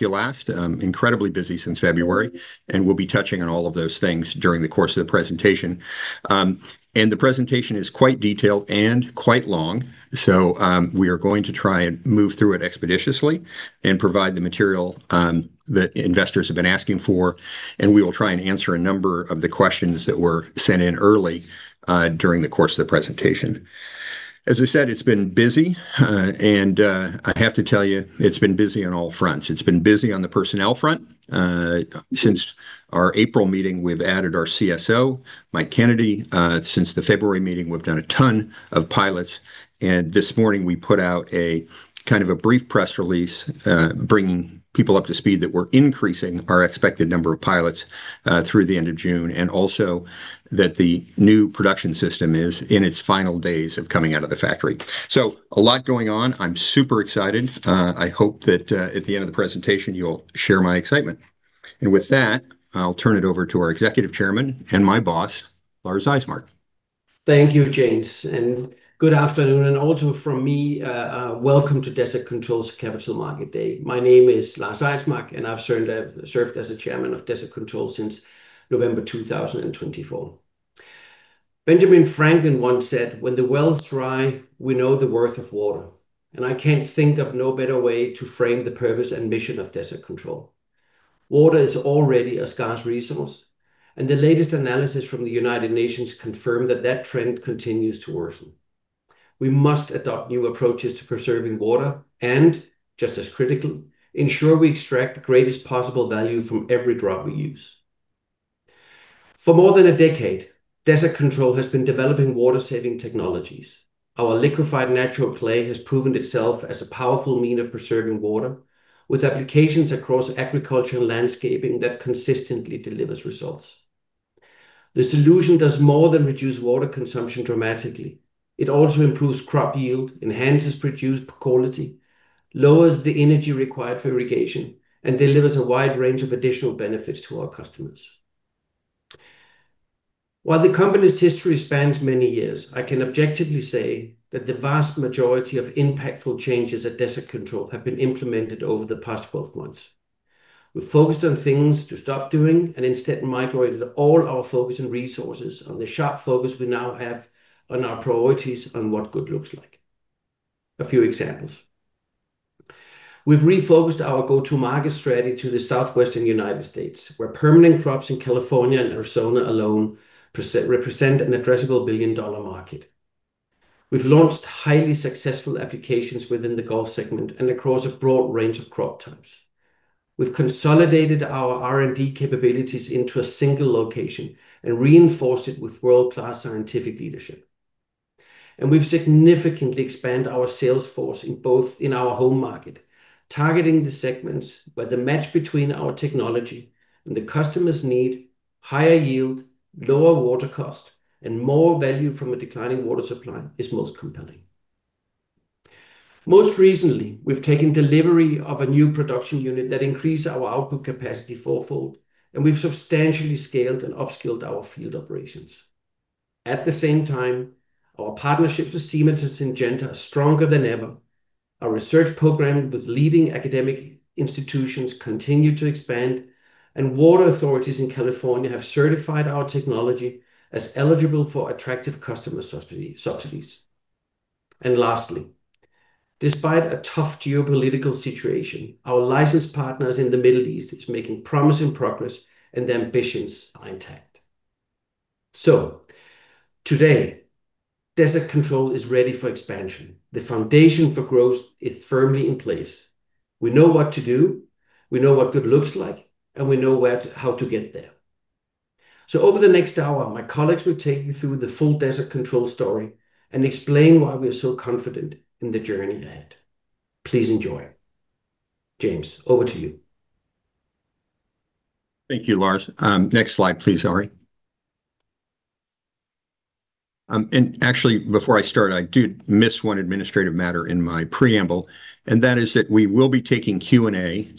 You last incredibly busy since February. We'll be touching on all of those things during the course of the presentation. The presentation is quite detailed and quite long. We are going to try and move through it expeditiously and provide the material that investors have been asking for. We will try and answer a number of the questions that were sent in early during the course of the presentation. As I said, it's been busy. I have to tell you, it's been busy on all fronts. It's been busy on the personnel front. Since our April meeting, we've added our CSO, Mike Kennedy. Since the February meeting, we've done a ton of pilots. This morning we put out a kind of a brief press release, bringing people up to speed that we're increasing our expected number of pilots through the end of June, and also that the new production system is in its final days of coming out of the factory. A lot going on. I'm super excited. I hope that at the end of the presentation, you'll share my excitement. With that, I'll turn it over to our Executive Chairman and my boss, Lars Eismark. Thank you, James, and good afternoon, and also from me, welcome to Desert Control's Capital Market Day. My name is Lars Eismark, and I've served as the Chairman of Desert Control since November 2024. Benjamin Franklin once said, "When the well's dry, we know the worth of water." I can't think of no better way to frame the purpose and mission of Desert Control. Water is already a scarce resource, and the latest analysis from the United Nations confirm that that trend continues to worsen. We must adopt new approaches to preserving water and, just as critical, ensure we extract the greatest possible value from every drop we use. For more than a decade, Desert Control has been developing water-saving technologies. Our Liquid Natural Clay has proven itself as a powerful means of preserving water, with applications across agriculture and landscaping that consistently delivers results. The solution does more than reduce water consumption dramatically. It also improves crop yield, enhances produced quality, lowers the energy required for irrigation, and delivers a wide range of additional benefits to our customers. While the company's history spans many years, I can objectively say that the vast majority of impactful changes at Desert Control have been implemented over the past 12 months. We've focused on things to stop doing and instead migrated all our focus and resources on the sharp focus we now have on our priorities on what good looks like. A few examples. We've refocused our go-to-market strategy to the Southwestern United States, where permanent crops in California and Arizona alone represent an addressable billion-dollar market. We've launched highly successful applications within the golf segment and across a broad range of crop types. We've consolidated our R&D capabilities into a single location and reinforced it with world-class scientific leadership. We've significantly expanded our sales force in our home market, targeting the segments where the match between our technology and the customer's need, higher yield, lower water cost, and more value from a declining water supply is most compelling. Most recently, we've taken delivery of a new production unit that increased our output capacity four-fold. We've substantially scaled and upskilled our field operations. At the same time, our partnerships with Siemens and Syngenta are stronger than ever. Our research program with leading academic institutions continues to expand. Water authorities in California have certified our technology as eligible for attractive customer subsidies. Lastly, despite a tough geopolitical situation, our license partners in the Middle East is making promising progress, and the ambitions are intact. Today, Desert Control is ready for expansion. The foundation for growth is firmly in place. We know what to do, we know what good looks like, and we know how to get there. Over the next hour, my colleagues will take you through the full Desert Control story and explain why we are so confident in the journey ahead. Please enjoy. James, over to you. Thank you, Lars. Next slide, please, Ari. Actually, before I start, I do miss one administrative matter in my preamble, that is we will be taking Q&A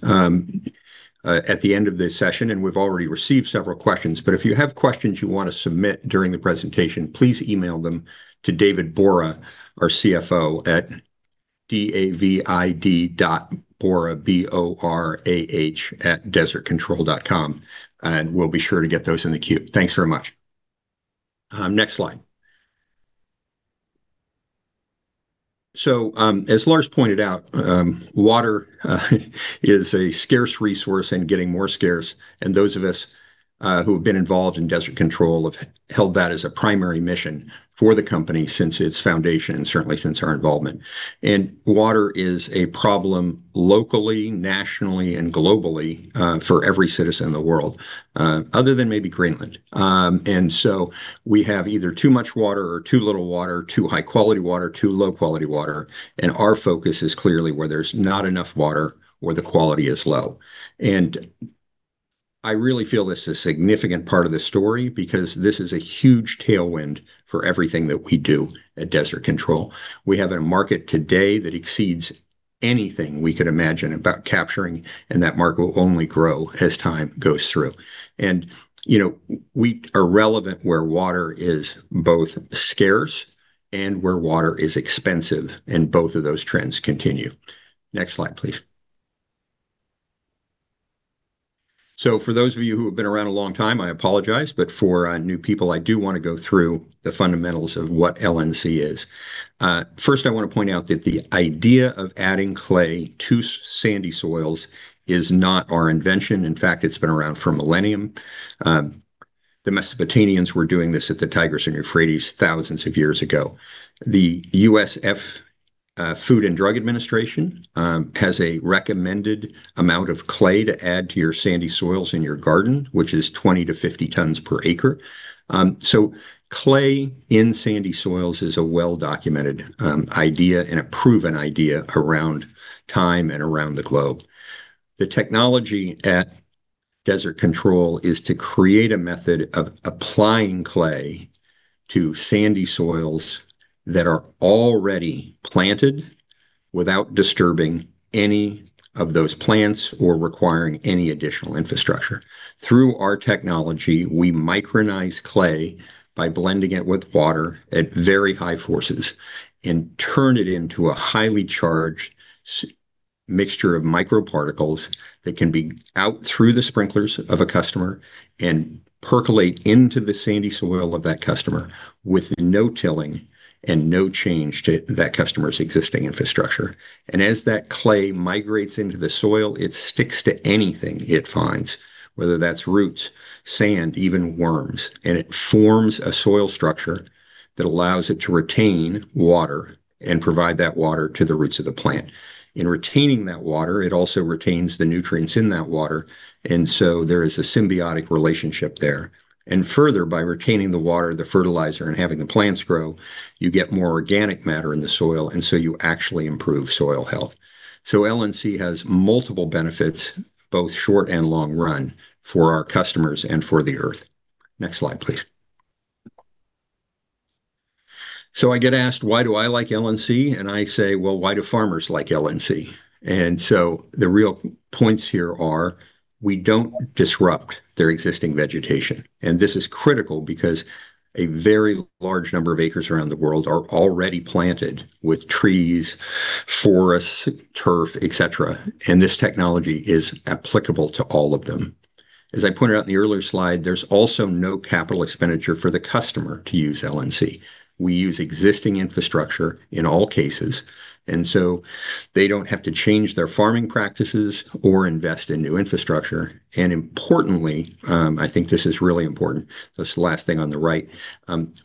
at the end of this session. We've already received several questions. If you have questions you want to submit during the presentation, please email them to David Borah, our CFO, at david.borah, B-O-R-A-H, @desertcontrol.com. We'll be sure to get those in the queue. Thanks very much. Next slide. As Lars pointed out, water is a scarce resource and getting more scarce. Those of us who have been involved in Desert Control have held that as a primary mission for the company since its foundation, certainly since our involvement. Water is a problem locally, nationally, and globally, for every citizen in the world, other than maybe Greenland. So we have either too much water or too little water, too high-quality water, too low-quality water, and our focus is clearly where there's not enough water or the quality is low. I really feel this is a significant part of the story because this is a huge tailwind for everything that we do at Desert Control. We have a market today that exceeds anything we could imagine about capturing, and that market will only grow as time goes through. You know, we are relevant where water is both scarce and where water is expensive, and both of those trends continue. Next slide, please. For those of you who have been around a long time, I apologize, but for new people, I do wanna go through the fundamentals of what LNC is. First I wanna point out that the idea of adding clay to sandy soils is not our invention. In fact, it's been around for a millennium. The Mesopotamians were doing this at the Tigris and Euphrates thousands of years ago. The U.S. Food and Drug Administration has a recommended amount of clay to add to your sandy soils in your garden, which is 20-50 tons per acre. Clay in sandy soils is a well-documented idea and a proven idea around time and around the globe. The technology at Desert Control is to create a method of applying clay to sandy soils that are already planted without disturbing any of those plants or requiring any additional infrastructure. Through our technology, we micronize clay by blending it with water at very high forces and turn it into a highly charged mixture of microparticles that can be out through the sprinklers of a customer and percolate into the sandy soil of that customer with no tilling and no change to that customer's existing infrastructure. As that clay migrates into the soil, it sticks to anything it finds, whether that's roots, sand, even worms, and it forms a soil structure that allows it to retain water and provide that water to the roots of the plant. In retaining that water, it also retains the nutrients in that water, and so there is a symbiotic relationship there. Further, by retaining the water, the fertilizer, and having the plants grow, you get more organic matter in the soil, you actually improve soil health. LNC has multiple benefits, both short and long run, for our customers and for the Earth. Next slide, please. I get asked why do I like LNC, I say, "Well, why do farmers like LNC?" The real points here are, we don't disrupt their existing vegetation. This is critical because a very large number of acres around the world are already planted with trees, forests, turf, et cetera. This technology is applicable to all of them. As I pointed out in the earlier slide, there's also no capital expenditure for the customer to use LNC. We use existing infrastructure in all cases, they don't have to change their farming practices or invest in new infrastructure. Importantly, I think this is really important, this is the last thing on the right,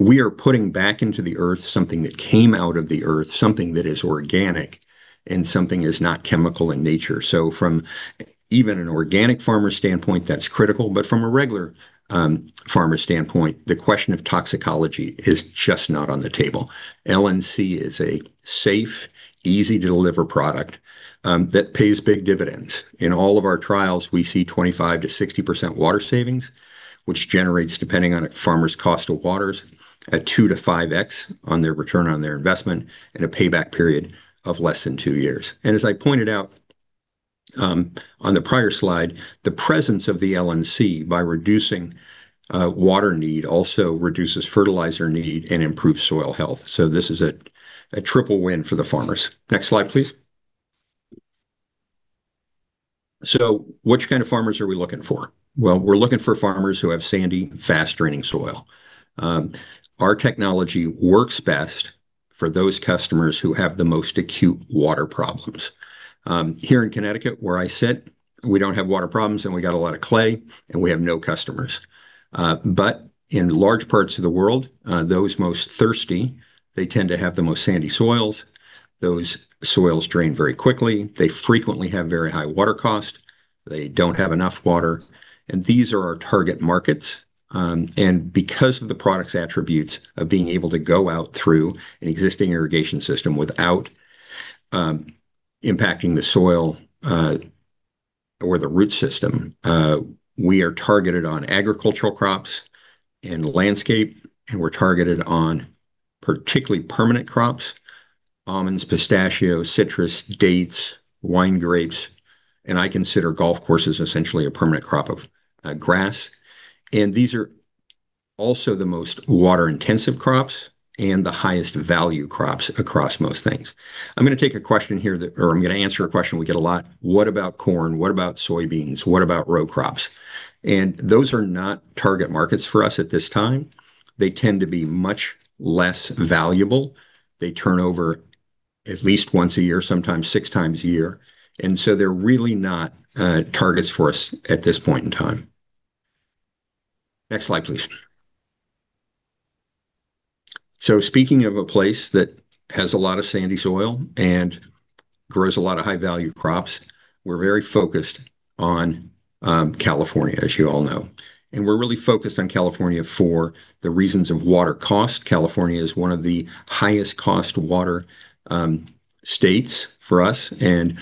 we are putting back into the earth something that came out of the earth, something that is organic, and something that's not chemical in nature. From even an organic farmer's standpoint, that's critical. From a regular farmer's standpoint, the question of toxicology is just not on the table. LNC is a safe, easy-to-deliver product that pays big dividends. In all of our trials, we see 25%-60% water savings, which generates, depending on a farmer's cost of waters, a 2x-5x on their return on their investment and a payback period of less than two years. As I pointed out, on the prior slide, the presence of the LNC by reducing water need also reduces fertilizer need and improves soil health. This is a triple win for the farmers. Next slide, please. Which kind of farmers are we looking for? Well, we're looking for farmers who have sandy, fast-draining soil. Our technology works best for those customers who have the most acute water problems. Here in Connecticut, where I sit, we don't have water problems, and we got a lot of clay, and we have no customers. In large parts of the world, those most thirsty, they tend to have the most sandy soils. Those soils drain very quickly. They frequently have very high water cost. They don't have enough water. These are our target markets. Because of the product's attributes of being able to go out through an existing irrigation system without impacting the soil or the root system, we are targeted on agricultural crops and landscape. We're targeted on particularly permanent crops, almonds, pistachio, citrus, dates, wine grapes, and I consider golf courses essentially a permanent crop of grass. These are also the most water-intensive crops and the highest value crops across most things. I'm going to answer a question we get a lot. What about corn? What about soybeans? What about row crops? Those are not target markets for us at this time. They tend to be much less valuable. They turn over at least once a year, sometimes 6x a year, and they're really not targets for us at this point in time. Next slide, please. Speaking of a place that has a lot of sandy soil and grows a lot of high-value crops, we're very focused on California, as you all know. We're really focused on California for the reasons of water cost. California is one of the highest cost water states for us, and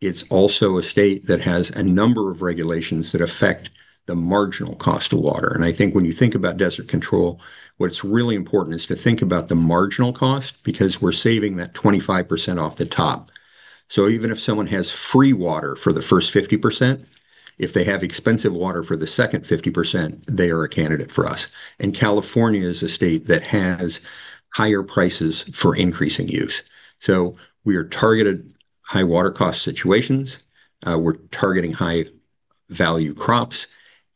it's also a state that has a number of regulations that affect the marginal cost of water. I think when you think about Desert Control, what's really important is to think about the marginal cost because we're saving that 25% off the top. Even if someone has free water for the first 50%, if they have expensive water for the second 50%, they are a candidate for us. California is a state that has higher prices for increasing use. We are targeted high water cost situations. We're targeting high-value crops.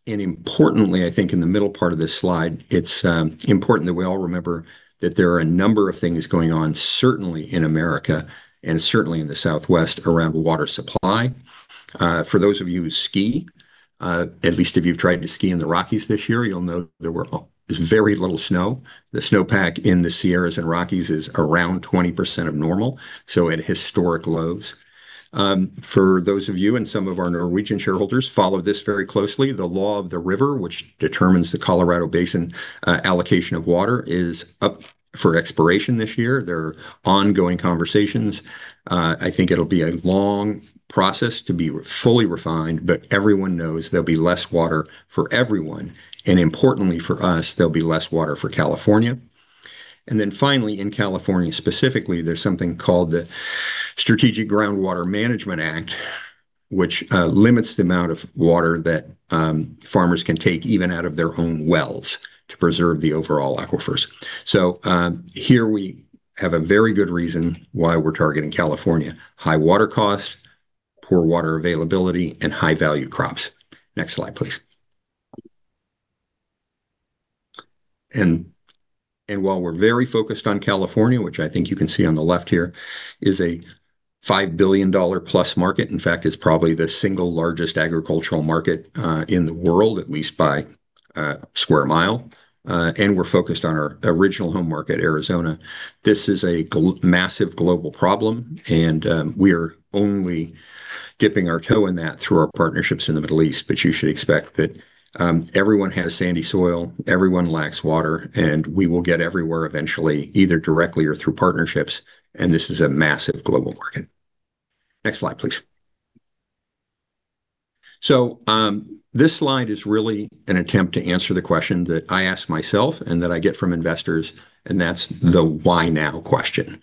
Importantly, I think in the middle part of this slide, it's important that we all remember that there are a number of things going on, certainly in the U.S. and certainly in the Southwest around water supply. For those of you who ski, at least if you've tried to ski in the Rockies this year, you'll know there is very little snow. The snowpack in the Sierras and Rockies is around 20% of normal, so at historic lows. For those of you and some of our Norwegian shareholders follow this very closely, the Law of the River, which determines the Colorado Basin allocation of water, is up for expiration this year. There are ongoing conversations. I think it'll be a long process to be re fully refined, but everyone knows there'll be less water for everyone, importantly for us, there'll be less water for California. In California specifically, there's something called the Strategic Groundwater Management Act, which limits the amount of water that farmers can take even out of their own wells to preserve the overall aquifers. Here we have a very good reason why we're targeting California. High water cost, poor water availability, and high-value crops. Next slide, please. While we're very focused on California, which I think you can see on the left here, is a $5 billion+ market. In fact, it's probably the single largest agricultural market in the world, at least by square mile. We're focused on our original home market, Arizona. This is a massive global problem, and we are only dipping our toe in that through our partnerships in the Middle East. You should expect that everyone has sandy soil, everyone lacks water, and we will get everywhere eventually, either directly or through partnerships, and this is a massive global market. Next slide, please. This slide is really an attempt to answer the question that I ask myself and that I get from investors, and that's the why now question.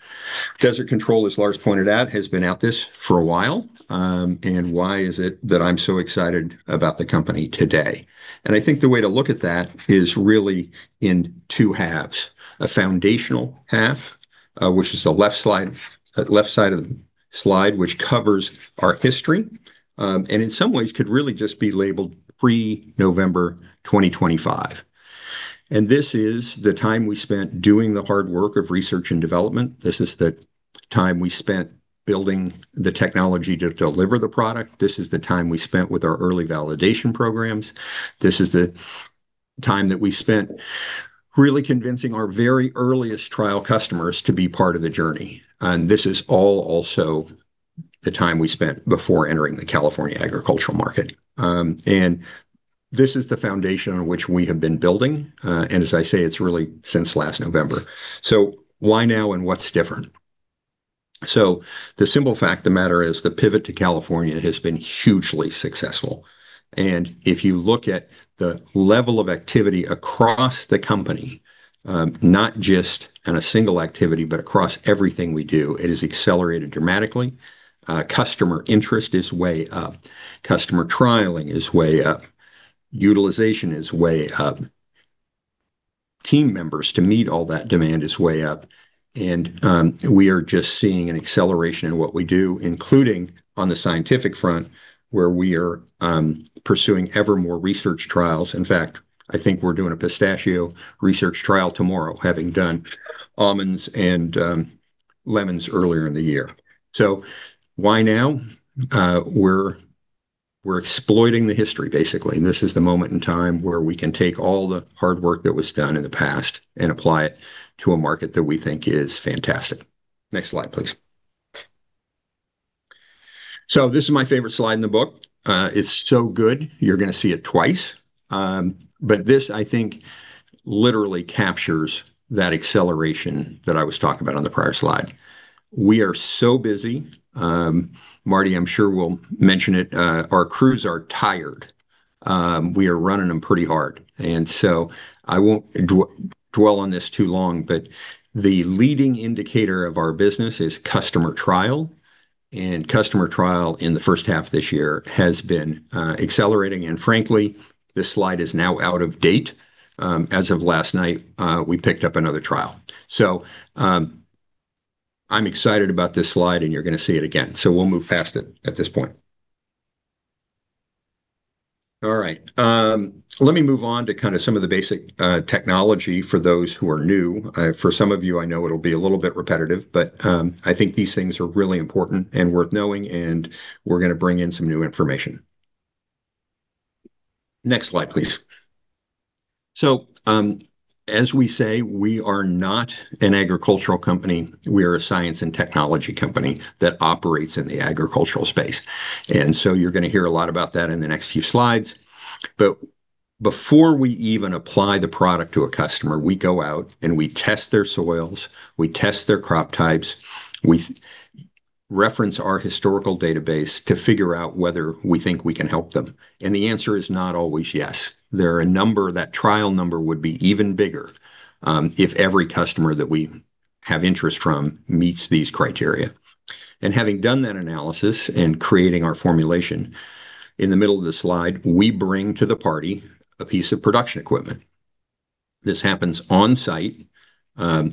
Desert Control, as Lars pointed out, has been at this for a while. Why is it that I'm so excited about the company today? I think the way to look at that is really in two halves. A foundational half, which is the left slide, left side of the slide, which covers our history, and in some ways could really just be labeled pre-November 2025. This is the time we spent doing the hard work of research and development. This is the time we spent building the technology to deliver the product. This is the time we spent with our early validation programs. This is the time that we spent really convincing our very earliest trial customers to be part of the journey. This is all also the time we spent before entering the California agricultural market. This is the foundation on which we have been building, and as I say, it's really since last November. Why now and what's different? The simple fact of the matter is the pivot to California has been hugely successful. If you look at the level of activity across the company, not just on a single activity, but across everything we do, it has accelerated dramatically. Customer interest is way up. Customer trialing is way up. Utilization is way up. Team members to meet all that demand is way up. We are just seeing an acceleration in what we do, including on the scientific front, where we are pursuing ever more research trials. In fact, I think we're doing a pistachio research trial tomorrow, having done almonds and lemons earlier in the year. Why now? We're exploiting the history, basically. This is the moment in time where we can take all the hard work that was done in the past and apply it to a market that we think is fantastic. Next slide, please. This is my favorite slide in the book. It's so good, you're gonna see it twice. This, I think, literally captures that acceleration that I was talking about on the prior slide. We are so busy. Marty, I'm sure will mention it. Our crews are tired. We are running them pretty hard. I won't dwell on this too long, but the leading indicator of our business is customer trial, and customer trial in the first half this year has been accelerating. Frankly, this slide is now out of date. As of last night, we picked up another trial. I'm excited about this slide, and you're gonna see it again. We'll move past it at this point. All right. Let me move on to kind of some of the basic technology for those who are new. For some of you, I know it'll be a little bit repetitive, but I think these things are really important and worth knowing, and we're gonna bring in some new information. Next slide, please. As we say, we are not an agricultural company. We are a science and technology company that operates in the agricultural space. You're gonna hear a lot about that in the next few slides. Before we even apply the product to a customer, we go out and we test their soils, we test their crop types, we reference our historical database to figure out whether we think we can help them. The answer is not always yes. There are a number, that trial number would be even bigger, if every customer that we have interest from meets these criteria. Having done that analysis and creating our formulation, in the middle of the slide, we bring to the party a piece of production equipment. This happens on site.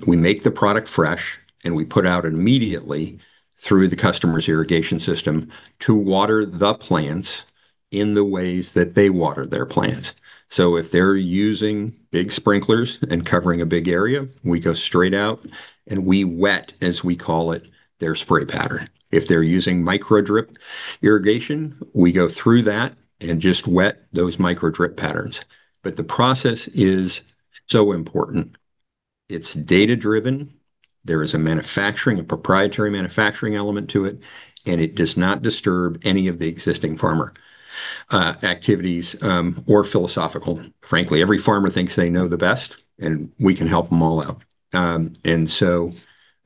We make the product fresh, and we put out immediately through the customer's irrigation system to water the plants in the ways that they water their plants. If they're using big sprinklers and covering a big area, we go straight out and we wet, as we call it, their spray pattern. If they're using micro drip irrigation, we go through that and just wet those micro drip patterns. The process is so important. It's data-driven. There is a manufacturing, a proprietary manufacturing element to it, and it does not disturb any of the existing farmer, activities, or philosophical. Frankly, every farmer thinks they know the best, and we can help them all out.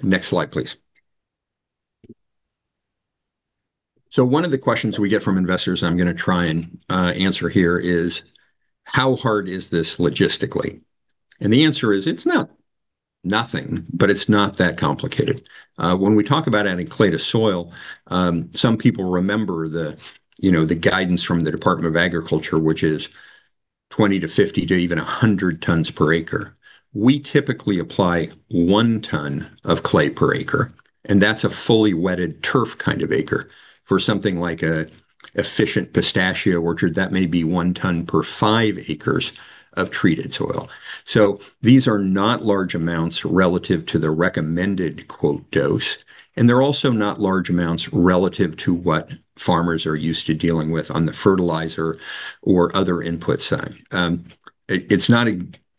Next slide, please. One of the questions we get from investors I'm gonna try and answer here is, how hard is this logistically? The answer is, it's not nothing, but it's not that complicated. When we talk about adding clay to soil, some people remember, you know, the guidance from the Department of Agriculture, which is 20-50 to even 100 tons per acre. We typically apply 1 ton of clay per acre, and that's a fully wetted turf kind of acre. For something like a efficient pistachio orchard, that may be 1 ton per 5 acres of treated soil. These are not large amounts relative to the recommended, quote, dose, and they're also not large amounts relative to what farmers are used to dealing with on the fertilizer or other input side. It's not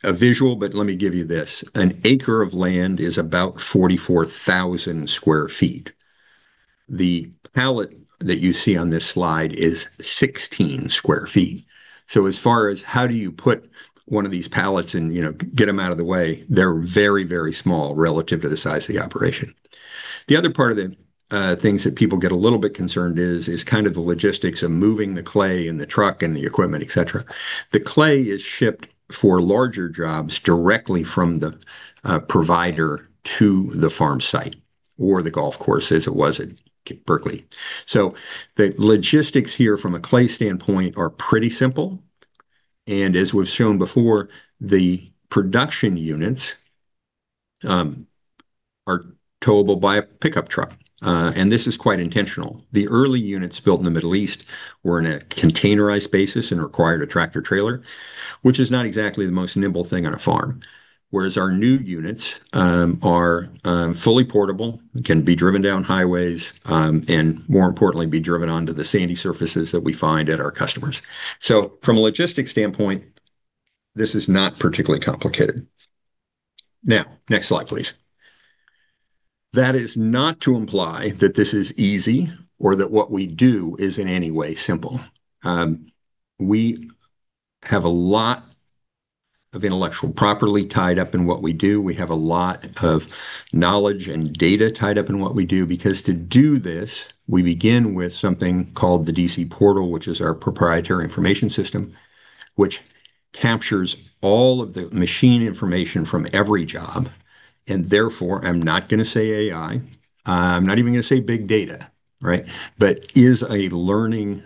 a visual, but let me give you this. An acre of land is about 44,000 sq ft. The pallet that you see on this slide is 16 sq ft. As far as how do you put one of these pallets and, you know, get them out of the way, they're very, very small relative to the size of the operation. The other part of the things that people get a little bit concerned is kind of the logistics of moving the clay and the truck and the equipment, etc. The clay is shipped for larger jobs directly from the provider to the farm site or the golf course as it was at Berkeley. The logistics here from a clay standpoint are pretty simple. As we've shown before, the production units are towable by a pickup truck. This is quite intentional. The early units built in the Middle East were in a containerized basis and required a tractor-trailer, which is not exactly the most nimble thing on a farm. Whereas our new units are fully portable, can be driven down highways, more importantly, be driven onto the sandy surfaces that we find at our customers. From a logistics standpoint, this is not particularly complicated. Next slide, please. That is not to imply that this is easy or that what we do is in any way simple. We have a lot of intellectual property tied up in what we do. We have a lot of knowledge and data tied up in what we do, because to do this, we begin with something called the DC Portal, which is our proprietary information system, which captures all of the machine information from every job. Therefore, I'm not gonna say AI, I'm not even gonna say big data, right? Is a learning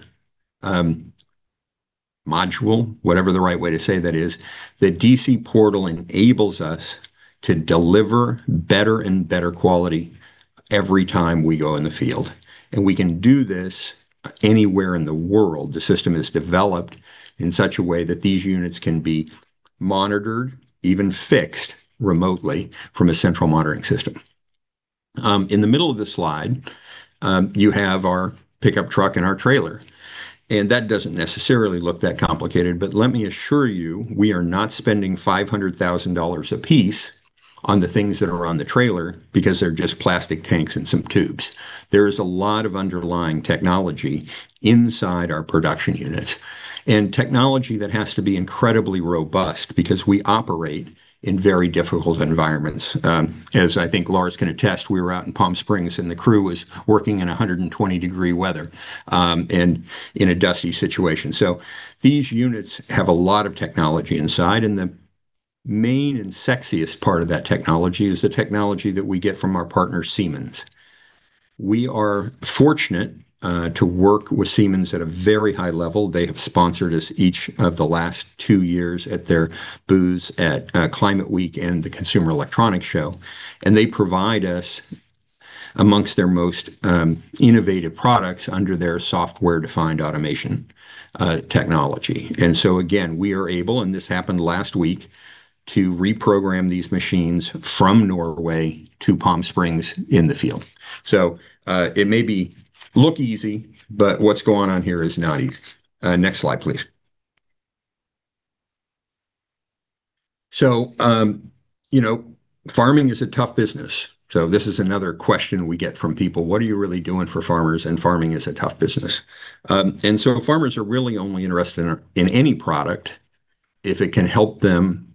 module, whatever the right way to say that is. The DC Portal enables us to deliver better and better quality every time we go in the field. We can do this anywhere in the world. The system is developed in such a way that these units can be monitored, even fixed remotely from a central monitoring system. In the middle of the slide, you have our pickup truck and our trailer. That doesn't necessarily look that complicated, but let me assure you, we are not spending $500,000 a piece on the things that are on the trailer because they're just plastic tanks and some tubes. There is a lot of underlying technology inside our production units, and technology that has to be incredibly robust because we operate in very difficult environments. As I think Lars can attest, we were out in Palm Springs, and the crew was working in 120-degree weather and in a dusty situation. These units have a lot of technology inside, and the main and sexiest part of that technology is the technology that we get from our partner, Siemens. We are fortunate to work with Siemens at a very high level. They have sponsored us each of the last two years at their booths at Climate Week and the Consumer Electronics Show. They provide us amongst their most innovative products under their software-defined automation technology. Again, we are able, and this happened last week, to reprogram these machines from Norway to Palm Springs in the field. It may be look easy, but what's going on here is not easy. Next slide, please. You know, farming is a tough business. This is another question we get from people. What are you really doing for farmers? Farming is a tough business. Farmers are really only interested in any product if it can help them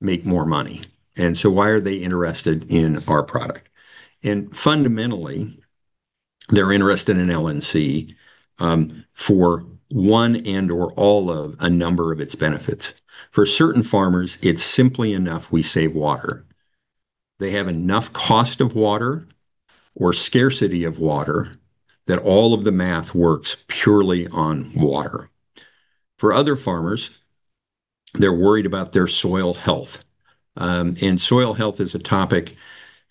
make more money. Why are they interested in our product? Fundamentally, they're interested in LNC for one and/or all of a number of its benefits. For certain farmers, it's simply enough we save water. They have enough cost of water or scarcity of water that all of the math works purely on water. For other farmers, they're worried about their soil health. Soil health is a topic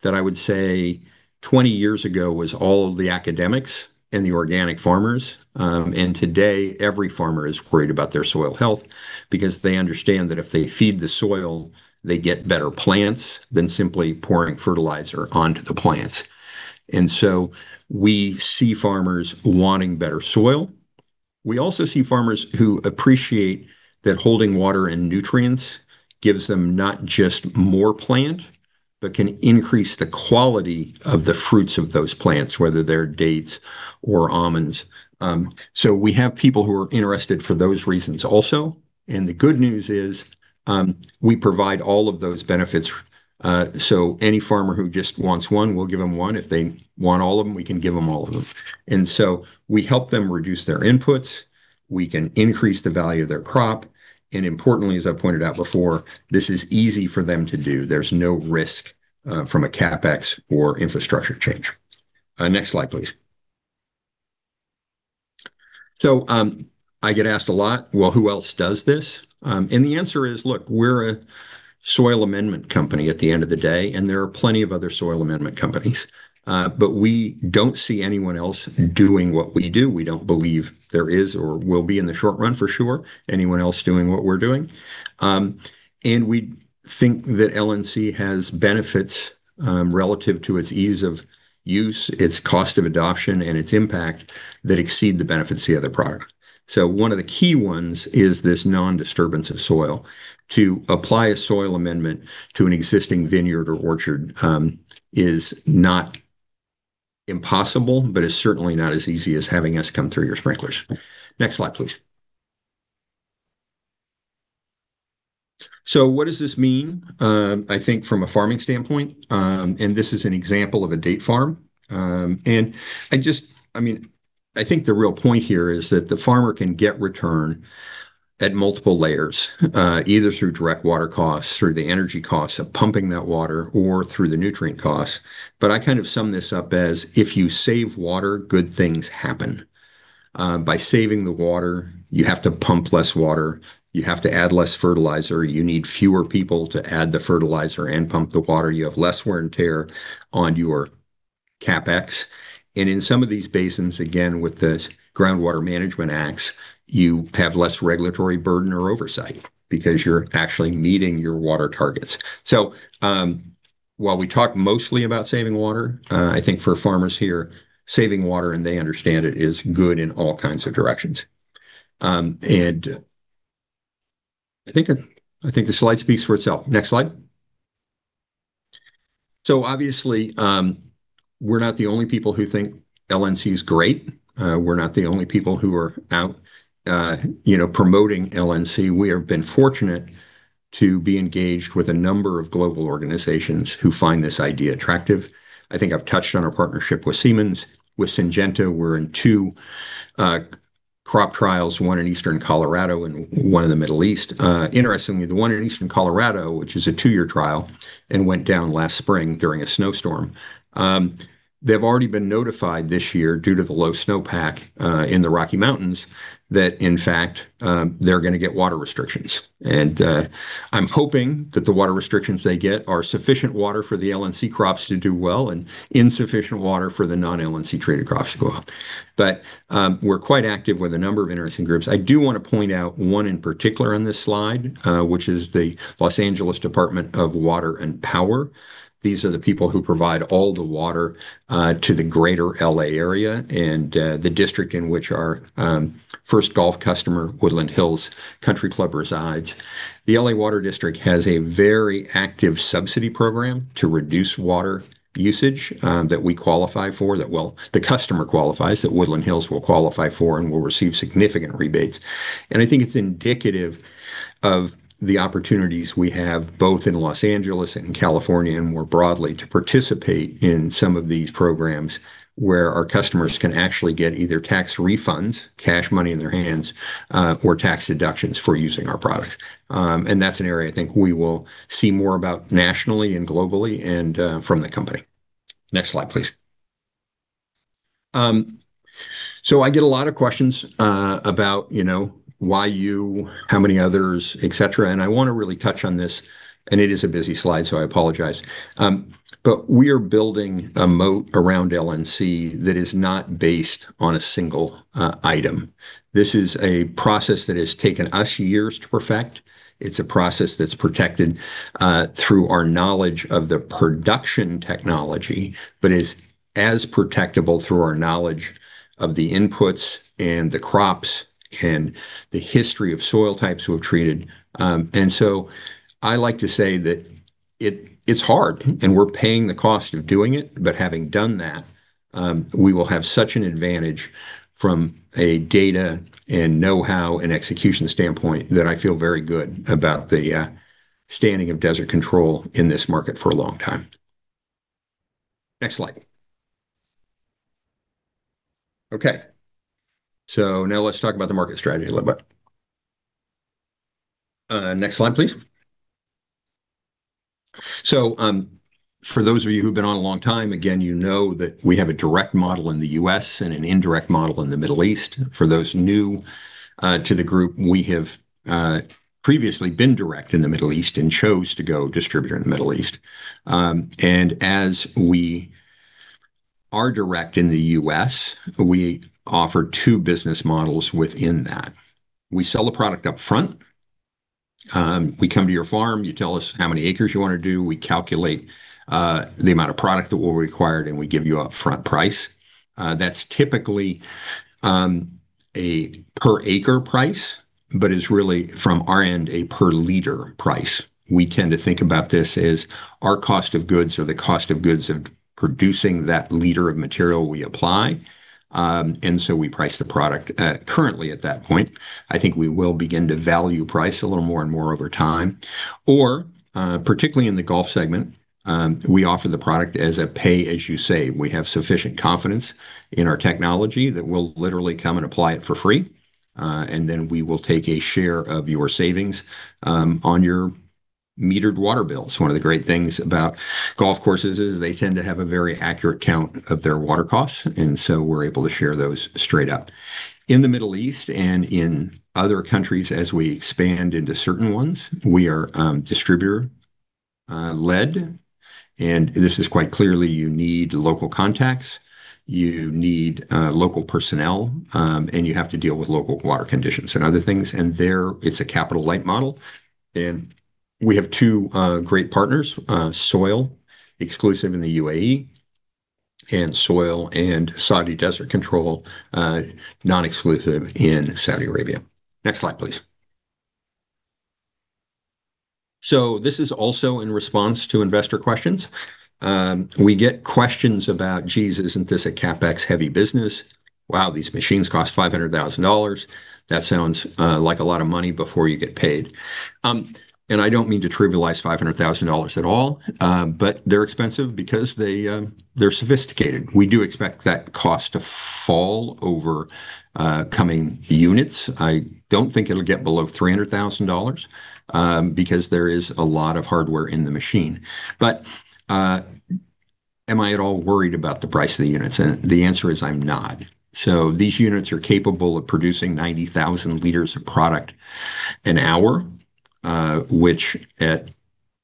that I would say 20 years ago was all of the academics and the organic farmers. Today every farmer is worried about their soil health because they understand that if they feed the soil, they get better plants than simply pouring fertilizer onto the plants. We see farmers wanting better soil. We also see farmers who appreciate that holding water and nutrients gives them not just more plant, but can increase the quality of the fruits of those plants, whether they're dates or almonds. We have people who are interested for those reasons also, and the good news is, we provide all of those benefits. Any farmer who just wants one, we'll give them one. If they want all of them, we can give them all of them. We help them reduce their inputs, we can increase the value of their crop, and importantly, as I pointed out before, this is easy for them to do. There's no risk from a CapEx or infrastructure change. Next slide, please. I get asked a lot, "Well, who else does this?" The answer is, look, we're a soil amendment company at the end of the day, and there are plenty of other soil amendment companies. We don't see anyone else doing what we do. We don't believe there is or will be in the short run for sure anyone else doing what we're doing. And we think that LNC has benefits relative to its ease of use, its cost of adoption, and its impact that exceed the benefits of the other products. One of the key ones is this non-disturbance of soil. To apply a soil amendment to an existing vineyard or orchard is not impossible, but is certainly not as easy as having us come through your sprinklers. Next slide, please. What does this mean, I think from a farming standpoint? And this is an example of a date farm. I mean, I think the real point here is that the farmer can get return at multiple layers, either through direct water costs, through the energy costs of pumping that water, or through the nutrient costs. I kind of sum this up as if you save water, good things happen. By saving the water, you have to pump less water. You have to add less fertilizer. You need fewer people to add the fertilizer and pump the water. You have less wear and tear on your CapEx. In some of these basins, again, with the Groundwater Management Acts, you have less regulatory burden or oversight because you're actually meeting your water targets. While we talk mostly about saving water, I think for farmers here, saving water, and they understand it, is good in all kinds of directions. I think the slide speaks for itself. Next slide. Obviously, we're not the only people who think LNC is great. We're not the only people who are out, you know, promoting LNC. We have been fortunate to be engaged with a number of global organizations who find this idea attractive. I think I've touched on our partnership with Siemens. With Syngenta, we're in two crop trials, one in eastern Colorado and one in the Middle East. Interestingly, the one in eastern Colorado, which is a two-year trial and went down last spring during a snowstorm, they've already been notified this year due to the low snowpack in the Rocky Mountains that in fact, they're gonna get water restrictions. I'm hoping that the water restrictions they get are sufficient water for the LNC crops to do well and insufficient water for the non-LNC treated crops to go out. We're quite active with a number of interesting groups. I do want to point out one in particular on this slide, which is the Los Angeles Department of Water and Power. These are the people who provide all the water to the greater L.A. area and the district in which our first golf customer, Woodland Hills Country Club, resides. The L.A. Water District has a very active subsidy program to reduce water usage, that we qualify for, that well, the customer qualifies, that Woodland Hills will qualify for and will receive significant rebates. I think it's indicative of the opportunities we have both in Los Angeles and California and more broadly to participate in some of these programs where our customers can actually get either tax refunds, cash money in their hands, or tax deductions for using our products. That's an area I think we will see more about nationally and globally and from the company. Next slide, please. I get a lot of questions about, you know, why you, how many others, etc. I wanna really touch on this, and it is a busy slide, so I apologize. We are building a moat around LNC that is not based on a single item. This is a process that has taken us years to perfect. It's a process that's protected through our knowledge of the production technology, but is as protectable through our knowledge of the inputs and the crops and the history of soil types we have treated. I like to say that it's hard, and we're paying the cost of doing it. Having done that, we will have such an advantage from a data and know-how and execution standpoint that I feel very good about the standing of Desert Control in this market for a long time. Next slide. Okay. Now let's talk about the market strategy a little bit. Next slide, please. For those of you who've been on a long time, again, you know that we have a direct model in the U.S. and an indirect model in the Middle East. For those new to the group, we have previously been direct in the Middle East and chose to go distributor in the Middle East. As we are direct in the U.S., we offer two business models within that. We sell the product up front. We come to your farm, you tell us how many acres you want to do, we calculate the amount of product that will be required, and we give you up-front price. That's typically a per acre price, but is really from our end, a per liter price. We tend to think about this as our cost of goods or the cost of goods of producing that liter of material we apply. So we price the product currently at that point. I think we will begin to value price a little more and more over time. Particularly in the golf segment, we offer the product as a Pay-As-You-Save. We have sufficient confidence in our technology that we'll literally come and apply it for free, we will take a share of your savings on your metered water bills. One of the great things about golf courses is they tend to have a very accurate count of their water costs, we're able to share those straight up. In the Middle East and in other countries as we expand into certain ones, we are distributor led. This is quite clearly you need local contacts, you need local personnel, and you have to deal with local water conditions and other things. There it's a capital light model. We have two great partners, Soyl, exclusive in the UAE, and Soyl and Saudi Desert Control, non-exclusive in Saudi Arabia. Next slide, please. This is also in response to investor questions. We get questions about, jeez, isn't this a CapEx-heavy business? Wow, these machines cost $500,000. That sounds like a lot of money before you get paid. I don't mean to trivialize $500,000 at all, but they're expensive because they're sophisticated. We do expect that cost to fall over coming units. I don't think it'll get below $300,000 because there is a lot of hardware in the machine. Am I at all worried about the price of the units? The answer is I'm not. These units are capable of producing 90,000 liters of product an hour, which at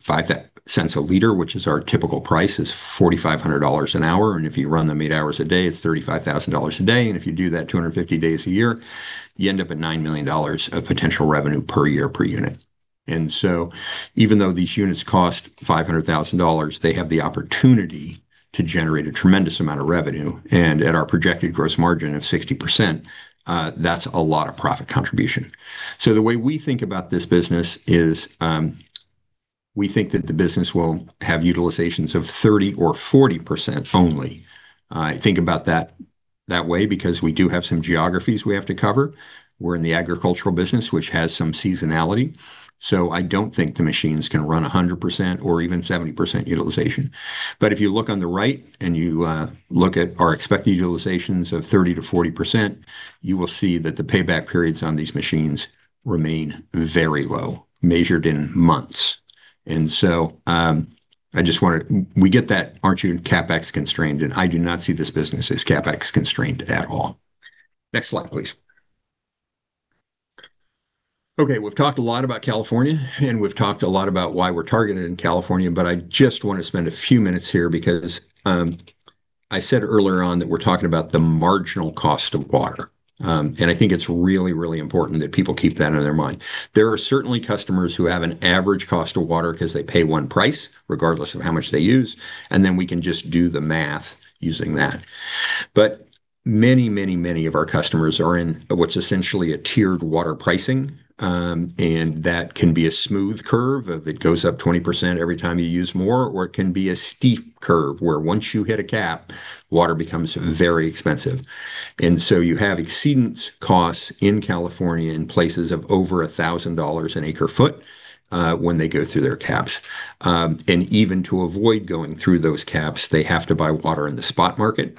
$0.05 a liter, which is our typical price, is $4,500 an hour. If you run them 8 hours a day, it's $35,000 a day. If you do that 250 days a year, you end up at $9 million of potential revenue per year per unit. Even though these units cost $500,000, they have the opportunity to generate a tremendous amount of revenue. At our projected gross margin of 60%, that's a lot of profit contribution. The way we think about this business is, we think that the business will have utilizations of 30% or 40% only. I think about that that way because we do have some geographies we have to cover. We're in the agricultural business, which has some seasonality. I don't think the machines can run 100% or even 70% utilization. If you look on the right and you look at our expected utilizations of 30%-40%, you will see that the payback periods on these machines remain very low, measured in months. We get that, aren't you CapEx constrained? I do not see this business as CapEx constrained at all. Next slide, please. We've talked a lot about California, and we've talked a lot about why we're targeted in California, but I just want to spend a few minutes here because I said earlier on that we're talking about the marginal cost of water. I think it's really, really important that people keep that in their mind. There are certainly customers who have an average cost of water 'cause they pay one price regardless of how much they use, and then we can just do the math using that. Many, many, many of our customers are in what's essentially a tiered water pricing, and that can be a smooth curve of it goes up 20% every time you use more, or it can be a steep curve where once you hit a cap, water becomes very expensive. You have exceedance costs in California in places of over $1,000 an acre-foot when they go through their caps. Even to avoid going through those caps, they have to buy water in the spot market.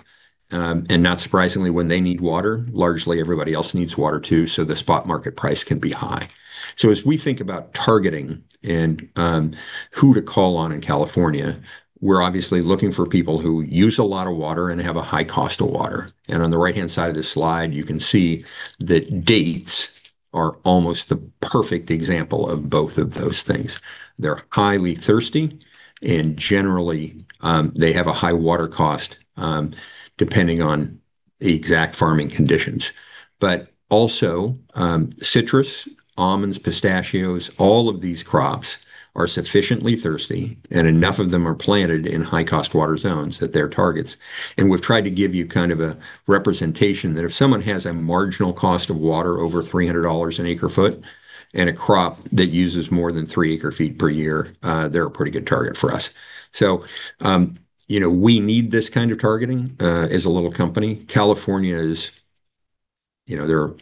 Not surprisingly, when they need water, largely everybody else needs water too, so the spot market price can be high. As we think about targeting and who to call on in California, we're obviously looking for people who use a lot of water and have a high cost of water. On the right-hand side of this slide, you can see that dates are almost the perfect example of both of those things. They're highly thirsty, and generally, they have a high water cost, depending on the exact farming conditions. Also, citrus, almonds, pistachios, all of these crops are sufficiently thirsty, and enough of them are planted in high-cost water zones that they're targets. We've tried to give you kind of a representation that if someone has a marginal cost of water over $300 an acre foot and a crop that uses more than 3 acre feet per year, they're a pretty good target for us. You know, we need this kind of targeting as a little company. California is, you know,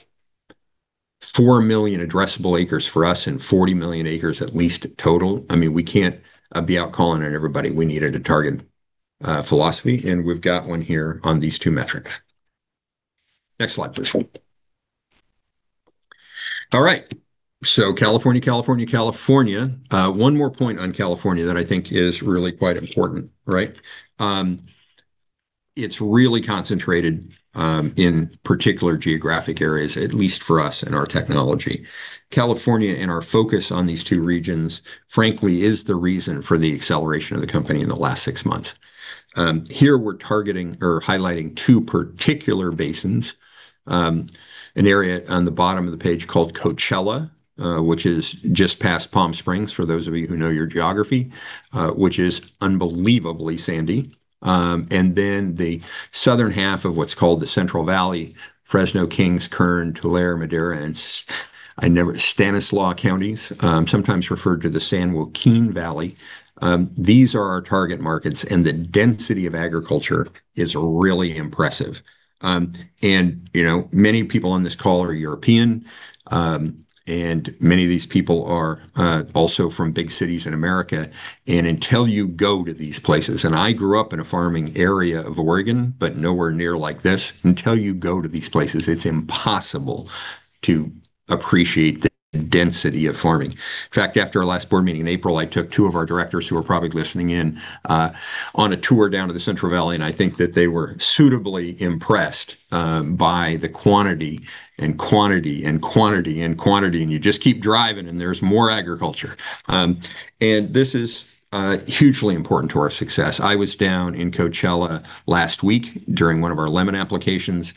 4 million addressable acres for us and 40 million acres at least total. I mean, we can't be out calling on everybody. We needed a target philosophy, we've got one here on these two metrics. Next slide, please. All right. California, California, California. One more point on California that I think is really quite important, right? It's really concentrated in particular geographic areas, at least for us and our technology. California and our focus on these two regions, frankly, is the reason for the acceleration of the company in the last six months. Here we're targeting or highlighting two particular basins. An area on the bottom of the page called Coachella, which is just past Palm Springs, for those of you who know your geography, which is unbelievably sandy. The southern half of what's called the Central Valley, Fresno, Kings, Kern, Tulare, Madera, and Stanislaus Counties, sometimes referred to the San Joaquin Valley. These are our target markets, the density of agriculture is really impressive. You know, many people on this call are European, many of these people are also from big cities in America. Until you go to these places, and I grew up in a farming area of Oregon, but nowhere near like this. Until you go to these places, it is impossible to appreciate the density of farming. In fact, after our last board meeting in April, I took two of our directors who are probably listening in on a tour down to the Central Valley, and I think that they were suitably impressed by the quantity, and quantity, and quantity, and quantity, and you just keep driving and there is more agriculture. This is hugely important to our success. I was down in Coachella last week during one of our lemon applications.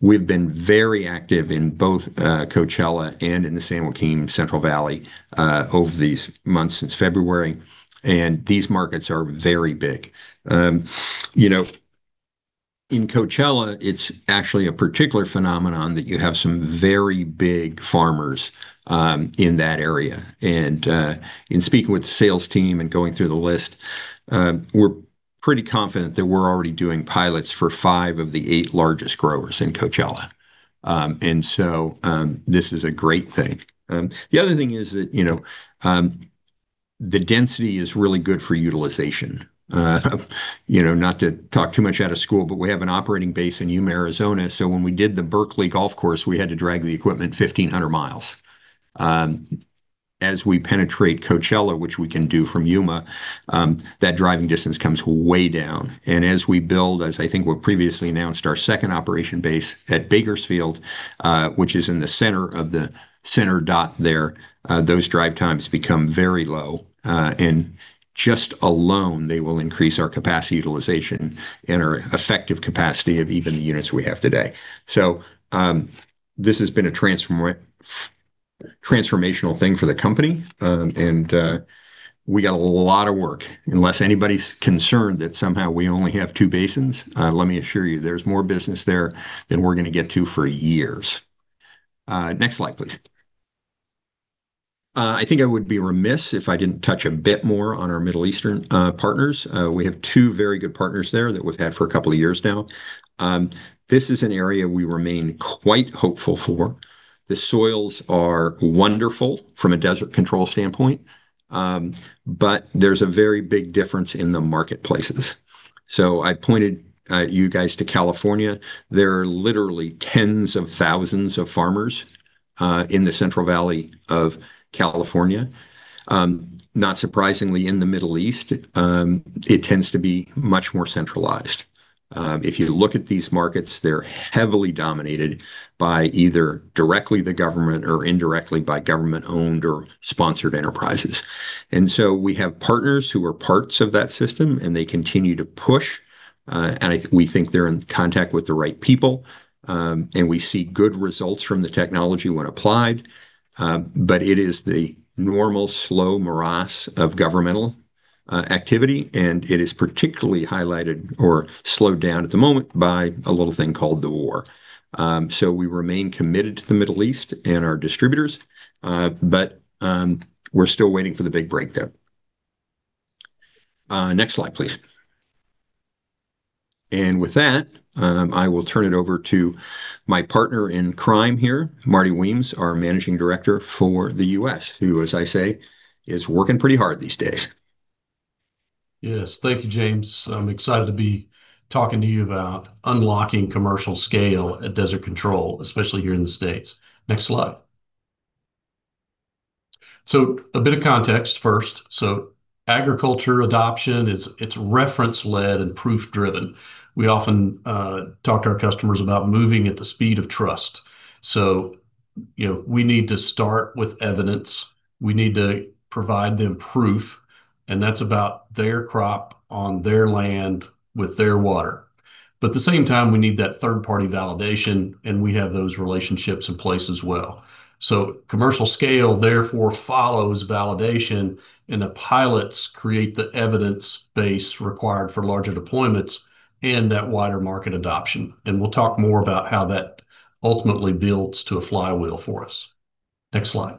We have been very active in both Coachella and in the San Joaquin Central Valley over these months since February, and these markets are very big. You know, in Coachella, it's actually a particular phenomenon that you have some very big farmers in that area. In speaking with the sales team and going through the list, we're pretty confident that we're already doing pilots for five of the eight largest growers in Coachella. This is a great thing. The other thing is that, you know, the density is really good for utilization. You know, not to talk too much out of school, but we have an operating base in Yuma, Arizona. When we did the Berkeley Golf Course, we had to drag the equipment 1,500 miles. As we penetrate Coachella, which we can do from Yuma, that driving distance comes way down. As we build, as I think we've previously announced, our second operation base at Bakersfield, which is in the center of the center dot there, those drive times become very low. Just alone, they will increase our capacity utilization and our effective capacity of even the units we have today. This has been a transformational thing for the company. We got a lot of work. Unless anybody's concerned that somehow we only have two basins, let me assure you, there's more business there than we're gonna get to for years. Next slide, please. I think I would be remiss if I didn't touch a bit more on our Middle Eastern partners. We have two very good partners there that we've had for a couple of years now. This is an area we remain quite hopeful for. The soils are wonderful from a Desert Control standpoint, but there's a very big difference in the marketplaces. I pointed you guys to California. There are literally tens of thousands of farmers in the Central Valley of California. Not surprisingly, in the Middle East, it tends to be much more centralized. If you look at these markets, they're heavily dominated by either directly the government or indirectly by government-owned or sponsored enterprises. We have partners who are parts of that system, and they continue to push, and we think they're in contact with the right people, and we see good results from the technology when applied. It is the normal slow morass of governmental activity, and it is particularly highlighted or slowed down at the moment by a little thing called the war. We remain committed to the Middle East and our distributors, but we're still waiting for the big breakthrough. Next slide, please. With that, I will turn it over to my partner in crime here, Marty Weems, our Managing Director for the U.S., who, as I say, is working pretty hard these days. Yes. Thank you, James. I'm excited to be talking to you about unlocking commercial scale at Desert Control, especially here in the States Next slide. A bit of context first. Agriculture adoption is, it's reference-led and proof-driven. We often talk to our customers about moving at the speed of trust. You know, we need to start with evidence. We need to provide them proof, and that's about their crop on their land with their water. At the same time, we need that third-party validation, and we have those relationships in place as well. Commercial scale therefore follows validation, and the pilots create the evidence base required for larger deployments and that wider market adoption. We'll talk more about how that ultimately builds to a flywheel for us. Next slide.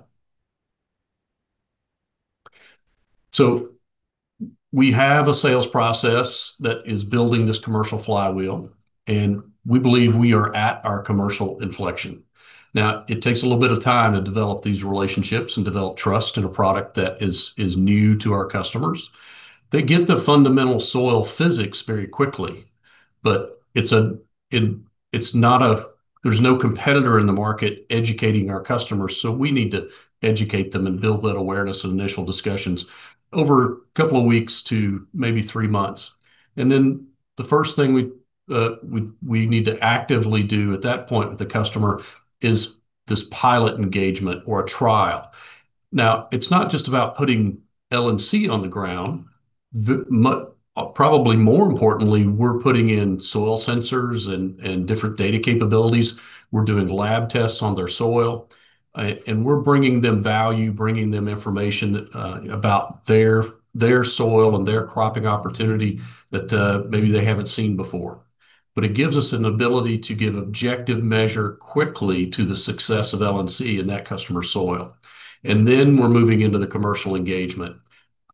We have a sales process that is building this commercial flywheel, and we believe we are at our commercial inflection. It takes a little bit of time to develop these relationships and develop trust in a product that is new to our customers. They get the fundamental soil physics very quickly. There's no competitor in the market educating our customers, we need to educate them and build that awareness and initial discussions over a couple of weeks to maybe three months. The first thing we need to actively do at that point with the customer is this pilot engagement or a trial. It's not just about putting LNC on the ground. Probably more importantly, we're putting in soil sensors and different data capabilities. We're doing lab tests on their soil, and we're bringing them value, bringing them information about their soil and their cropping opportunity that maybe they haven't seen before. It gives us an ability to give objective measure quickly to the success of LNC in that customer's soil. We're moving into the commercial engagement.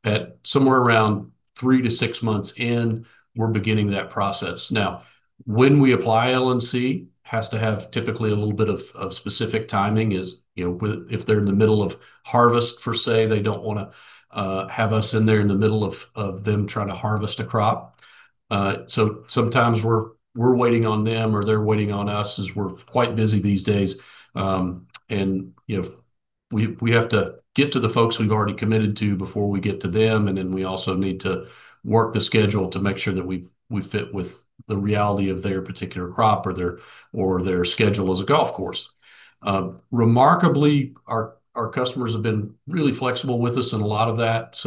At somewhere around 3-6 months in, we're beginning that process. Now, when we apply LNC has to have typically a little bit of specific timing is, you know, if they're in the middle of harvest per se, they don't wanna have us in there in the middle of them trying to harvest a crop. Sometimes we're waiting on them or they're waiting on us as we're quite busy these days. You know, we have to get to the folks we've already committed to before we get to them, and then we also need to work the schedule to make sure that we fit with the reality of their particular crop or their schedule as a golf course. Remarkably, our customers have been really flexible with us in a lot of that.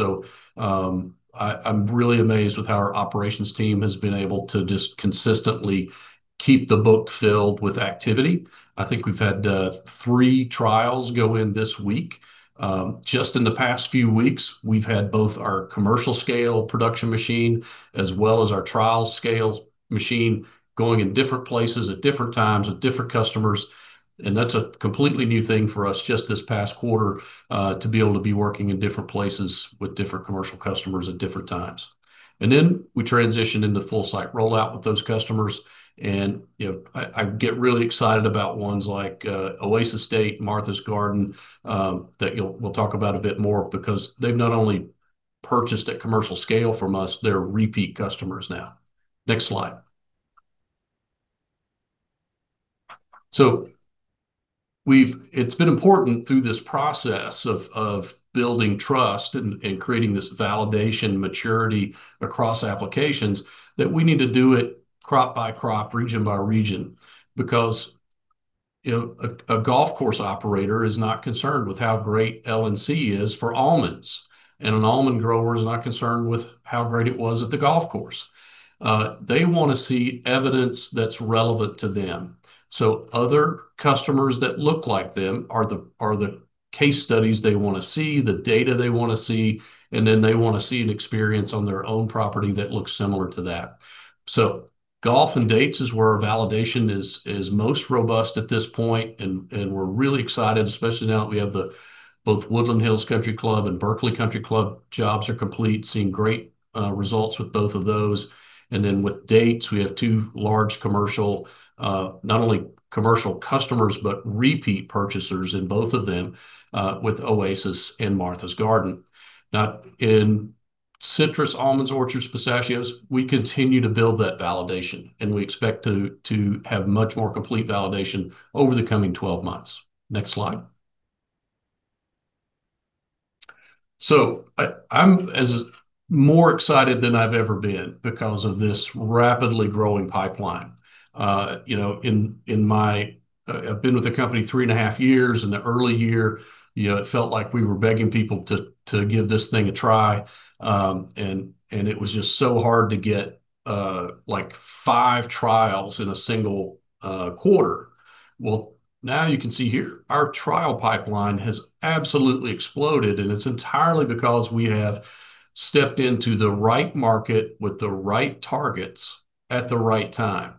I'm really amazed with how our operations team has been able to just consistently keep the book filled with activity. I think we've had three trials go in this week. Just in the past few weeks, we've had both our commercial scale production machine as well as our trial scales machine going in different places at different times with different customers, and that's a completely new thing for us just this past quarter, to be able to be working in different places with different commercial customers at different times. Then we transition into full site rollout with those customers. You know, I get really excited about ones like Oasis Date, Martha's Gardens, that you'll we'll talk about a bit more because they've not only purchased at commercial scale from us, they're repeat customers now. Next slide. It's been important through this process of building trust and creating this validation maturity across applications that we need to do it crop by crop, region by region because, you know, a golf course operator is not concerned with how great LNC is for almonds, and an almond grower is not concerned with how great it was at the golf course. They wanna see evidence that's relevant to them. Other customers that look like them are the case studies they wanna see, the data they wanna see, and then they wanna see an experience on their own property that looks similar to that. Golf and dates is where our validation is most robust at this point, and we're really excited, especially now that we have both Woodland Hills Country Club and Berkeley Country Club jobs are complete, seeing great results with both of those. With dates, we have two large commercial, not only commercial customers, but repeat purchasers in both of them, with Oasis and Martha's Gardens. In citrus, almonds, orchards, pistachios, we continue to build that validation, and we expect to have much more complete validation over the coming 12 months. Next slide. I'm as more excited than I've ever been because of this rapidly growing pipeline. You know, in my, I've been with the company three and a half years. In the early year, you know, it felt like we were begging people to give this thing a try. And it was just so hard to get like 5 trials in a single quarter. Now you can see here our trial pipeline has absolutely exploded, and it's entirely because we have stepped into the right market with the right targets at the right time.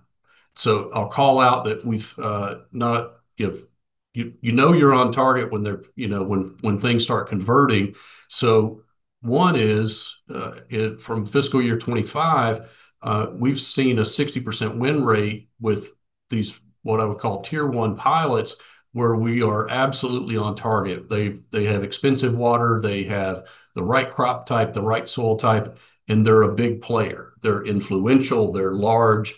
I'll call out that we've not, you know, you know you're on target when they're, you know, when things start converting. One is, from fiscal year 2025, we've seen a 60% win rate with these what I would call tier 1 pilots where we are absolutely on target. They have expensive water, they have the right crop type, the right soil type, and they're a big player. They're influential, they're large,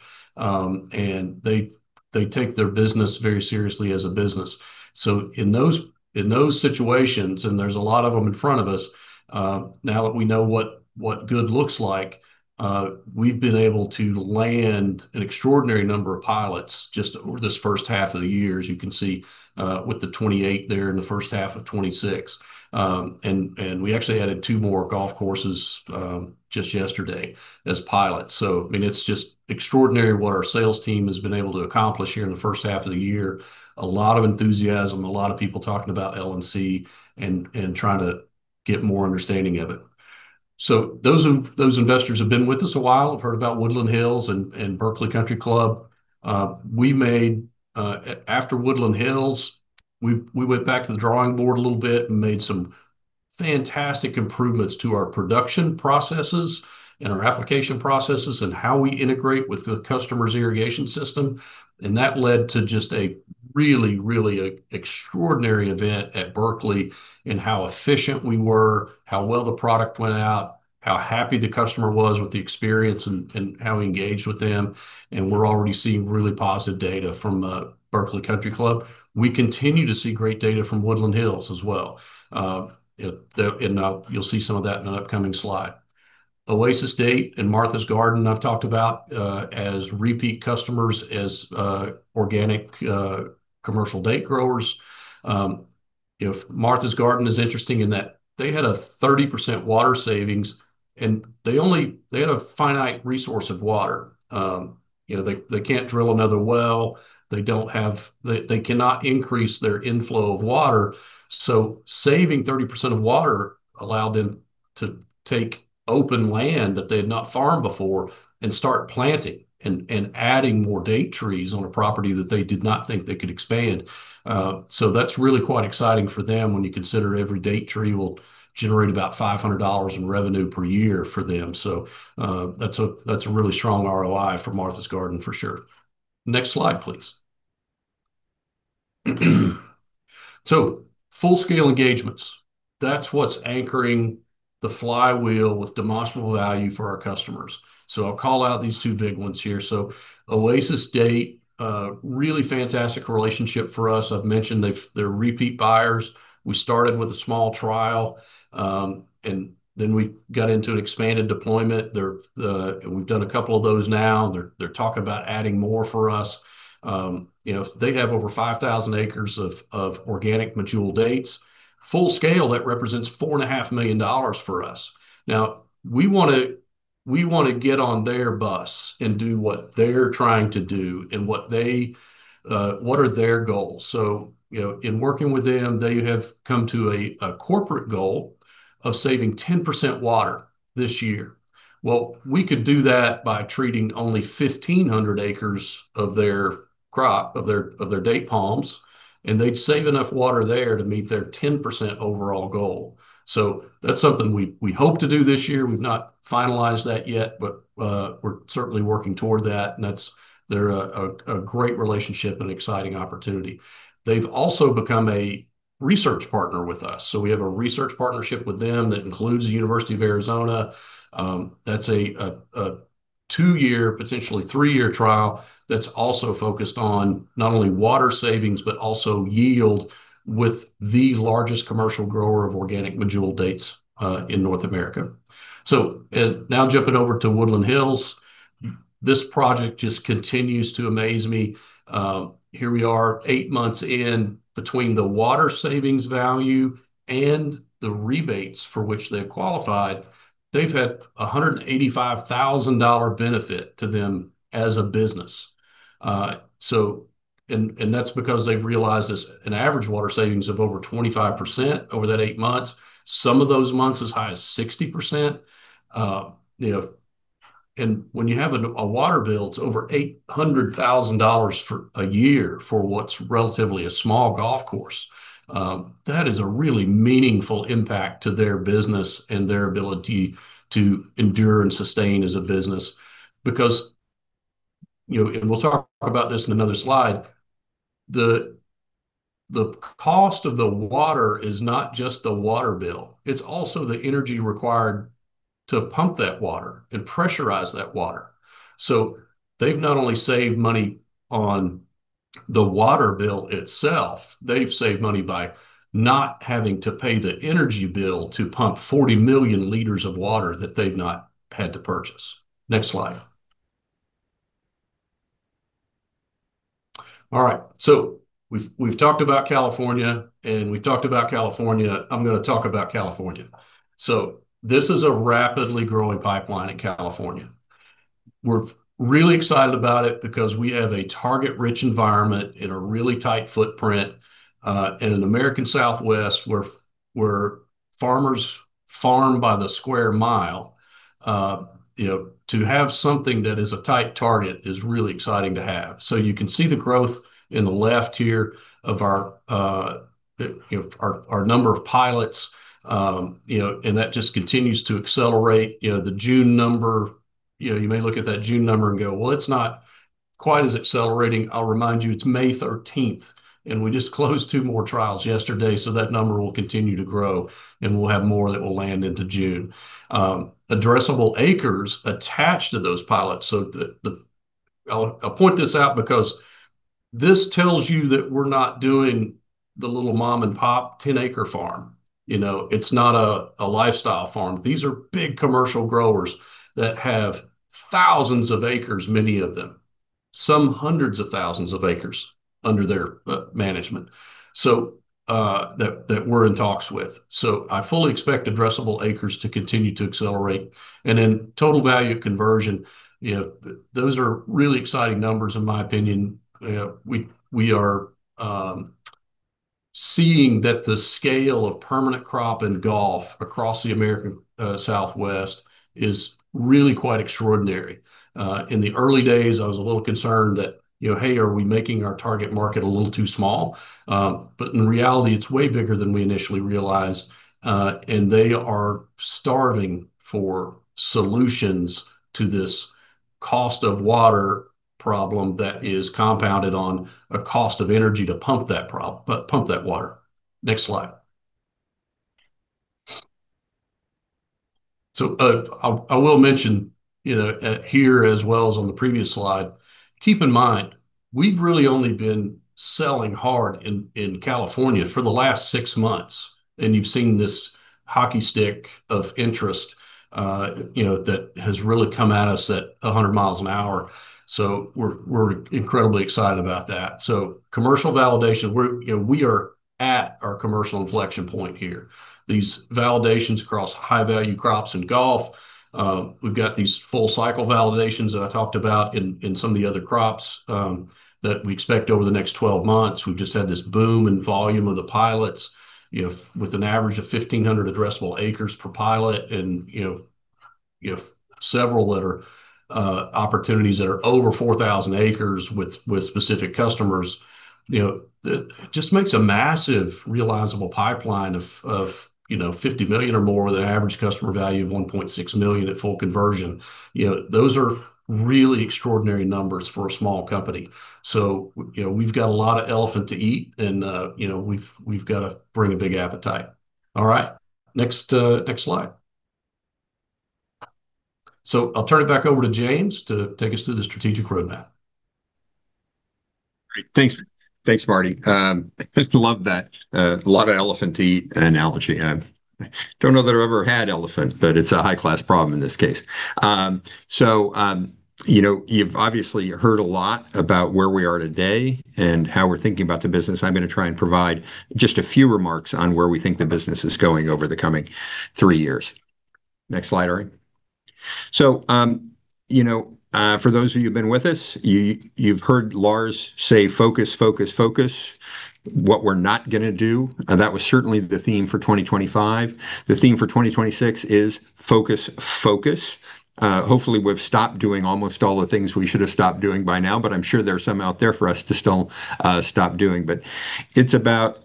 they take their business very seriously as a business. In those, in those situations, and there's a lot of them in front of us, now that we know what good looks like, we've been able to land an extraordinary number of pilots just over this first half of the year, as you can see, with the 28 there in the first half of 2026. We actually added two more golf courses just yesterday as pilots. I mean, it's just extraordinary what our sales team has been able to accomplish here in the first half of the year. A lot of enthusiasm, a lot of people talking about LNC and trying to get more understanding of it. Those investors have been with us a while, have heard about Woodland Hills and Berkeley Country Club. We made after Woodland Hills, we went back to the drawing board a little bit and made some fantastic improvements to our production processes and our application processes and how we integrate with the customer's irrigation system, and that led to just a really, really extraordinary event at Berkeley in how efficient we were, how well the product went out, how happy the customer was with the experience and how we engaged with them, and we're already seeing really positive data from Berkeley Country Club. We continue to see great data from Woodland Hills as well. You'll see some of that in an upcoming slide. Oasis Date and Martha's Gardens, I've talked about as repeat customers, as organic commercial date growers. You know, Martha's Gardens is interesting in that they had a 30% water savings, and they had a finite resource of water. You know, they can't drill another well. They cannot increase their inflow of water. Saving 30% of water allowed them to take open land that they had not farmed before and start planting and adding more date trees on a property that they did not think they could expand. That's really quite exciting for them when you consider every date tree will generate about $500 in revenue per year for them. That's a really strong ROI for Martha's Gardens, for sure. Next slide, please. Full-scale engagements, that's what's anchoring the flywheel with demonstrable value for our customers. I'll call out these two big ones here. Oasis Date, really fantastic relationship for us. I've mentioned they're repeat buyers. We started with a small trial, and then we got into an expanded deployment. We've done a couple of those now. They're talking about adding more for us. You know, they have over 5,000 acres of organic Medjool dates. Full scale, that represents $4.5 million for us. Now, we wanna get on their bus and do what they're trying to do and what they, what are their goals. You know, in working with them, they have come to a corporate goal of saving 10% water this year. Well, we could do that by treating only 1,500 acres of their crop, of their date palms, and they'd save enough water there to meet their 10% overall goal. That's something we hope to do this year. We've not finalized that yet, but we're certainly working toward that and they're a great relationship and exciting opportunity. They've also become a research partner with us. We have a research partnership with them that includes the University of Arizona. That's a two-year, potentially three-year trial that's also focused on not only water savings, but also yield with the largest commercial grower of organic Medjool dates in North America. Now jumping over to Woodland Hills, this project just continues to amaze me. Here we are 8 months in between the water savings value and the rebates for which they've qualified. They've had a $185,000 benefit to them as a business. That's because they've realized this, an average water savings of over 25% over that eight months, some of those months as high as 60%. You know, when you have a water bill that's over $800,000 for a year for what's relatively a small golf course, that is a really meaningful impact to their business and their ability to endure and sustain as a business. You know, and we'll talk about this in another slide, the cost of the water is not just the water bill, it's also the energy required to pump that water and pressurize that water. They've not only saved money on the water bill itself, they've saved money by not having to pay the energy bill to pump 40 million liters of water that they've not had to purchase. Next slide. All right. We've talked about California, and we've talked about California. I'm gonna talk about California. This is a rapidly growing pipeline in California. We're really excited about it because we have a target-rich environment and a really tight footprint in an American Southwest where farmers farm by the square mile. You know, to have something that is a tight target is really exciting to have. You can see the growth in the left here of our, you know, number of pilots, you know, and that just continues to accelerate. You know, the June number, you know, you may look at that June number and go, "Well, it's not quite as accelerating." I'll remind you, it's May 13th, and we just closed two more trials yesterday, so that number will continue to grow, and we'll have more that will land into June. Addressable acres attached to those pilots, so I'll point this out because this tells you that we're not doing the little mom-and-pop 10-acre farm. You know, it's not a lifestyle farm. These are big commercial growers that have thousands of acres, many of them, some hundreds of thousands of acres under their management, so that we're in talks with. I fully expect addressable acres to continue to accelerate. Then total value conversion, you know, those are really exciting numbers in my opinion. You know, we are seeing that the scale of permanent crop in golf across the American Southwest is really quite extraordinary. In the early days, I was a little concerned that, you know, "Hey, are we making our target market a little too small?" But in reality, it's way bigger than we initially realized, and they are starving for solutions to this cost of water problem that is compounded on a cost of energy to pump that water. Next slide. I will mention, you know, here as well as on the previous slide, keep in mind, we've really only been selling hard in California for the last six months, and you've seen this hockey stick of interest, you know, that has really come at us at 100 mi an hour. We're incredibly excited about that. Commercial validation, we are at our commercial inflection point here. These validations across high-value crops in golf, we've got these full-cycle validations that I talked about in some of the other crops that we expect over the next 12 months. We've just had this boom in volume of the pilots, you know, with an average of 1,500 addressable acres per pilot and, you know, several that are opportunities that are over 4,000 acres with specific customers. You know, that just makes a massive realizable pipeline of, you know, $50 million or more with an average customer value of $1.6 million at full conversion. You know, those are really extraordinary numbers for a small company. You know, we've got a lot of elephant to eat and, you know, we've got to bring a big appetite. All right. Next slide. I'll turn it back over to James to take us through the strategic roadmap. Great. Thanks. Thanks, Marty. Love that, a lot of elephant to eat analogy. I don't know that I've ever had elephant, but it's a high-class problem in this case. You know, you've obviously heard a lot about where we are today and how we're thinking about the business. I'm gonna try and provide just a few remarks on where we think the business is going over the coming three years. Next slide, Ari. You know, for those of you who've been with us, you've heard Lars say, "Focus, focus, focus" what we're not gonna do, and that was certainly the theme for 2025. The theme for 2026 is focus, focus. Hopefully, we've stopped doing almost all the things we should have stopped doing by now, but I'm sure there are some out there for us to still stop doing. It's about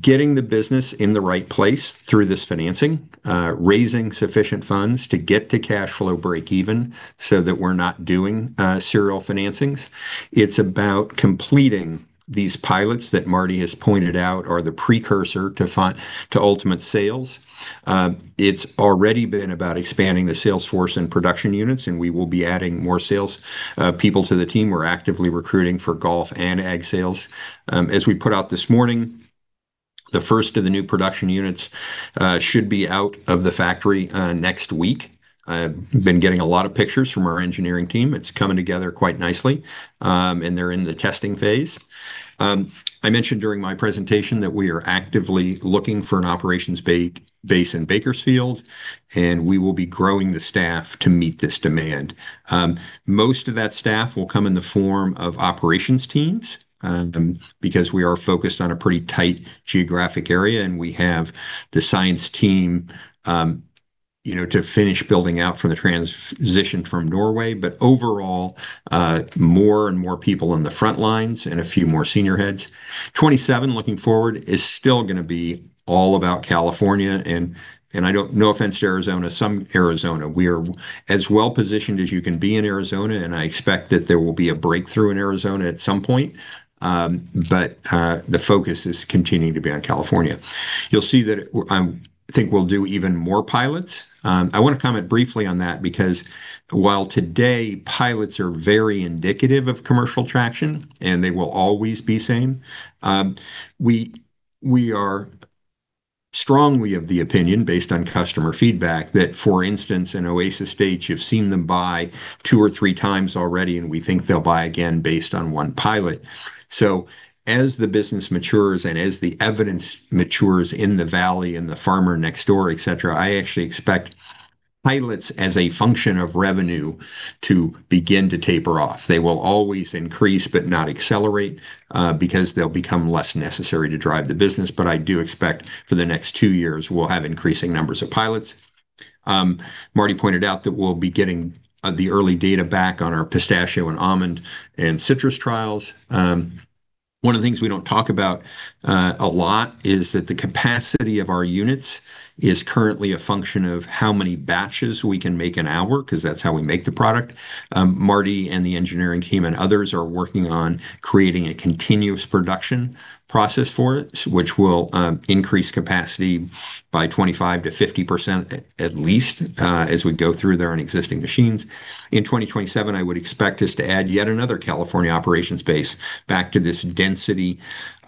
getting the business in the right place through this financing, raising sufficient funds to get to cash flow breakeven so that we're not doing serial financings. It's about completing these pilots that Marty has pointed out are the precursor to ultimate sales. It's already been about expanding the sales force and production units, and we will be adding more sales people to the team. We're actively recruiting for golf and ag sales. As we put out this morning, the first of the new production units should be out of the factory next week. I've been getting a lot of pictures from our engineering team. It's coming together quite nicely, and they're in the testing phase. I mentioned during my presentation that we are actively looking for an operations base in Bakersfield, and we will be growing the staff to meet this demand. Most of that staff will come in the form of operations teams, because we are focused on a pretty tight geographic area, and we have the science team, you know, to finish building out from the transition from Norway. Overall, more and more people in the front lines and a few more senior heads. 2027, looking forward, is still going to be all about California and, no offense to Arizona, some Arizona. We are as well-positioned as you can be in Arizona, and I expect that there will be a breakthrough in Arizona at some point. The focus is continuing to be on California. You'll see that I think we'll do even more pilots. I want to comment briefly on that because while today pilots are very indicative of commercial traction, and they will always be same, we are strongly of the opinion, based on customer feedback, that, for instance, in Oasis Date, you've seen them buy 2x or 3x already, and we think they'll buy again based on one pilot. As the business matures and as the evidence matures in the valley and the farmer next door, et cetera, I actually expect pilots as a function of revenue to begin to taper off. They will always increase but not accelerate because they'll become less necessary to drive the business. I do expect for the next two years, we'll have increasing numbers of pilots. Marty pointed out that we'll be getting the early data back on our pistachio and almond and citrus trials. One of the things we don't talk about a lot is that the capacity of our units is currently a function of how many batches we can make an hour, 'cause that's how we make the product. Marty and the engineering team and others are working on creating a continuous production process for it, which will increase capacity by 25%-50% at least, as we go through their own existing machines. In 2027, I would expect us to add yet another California operations base back to this density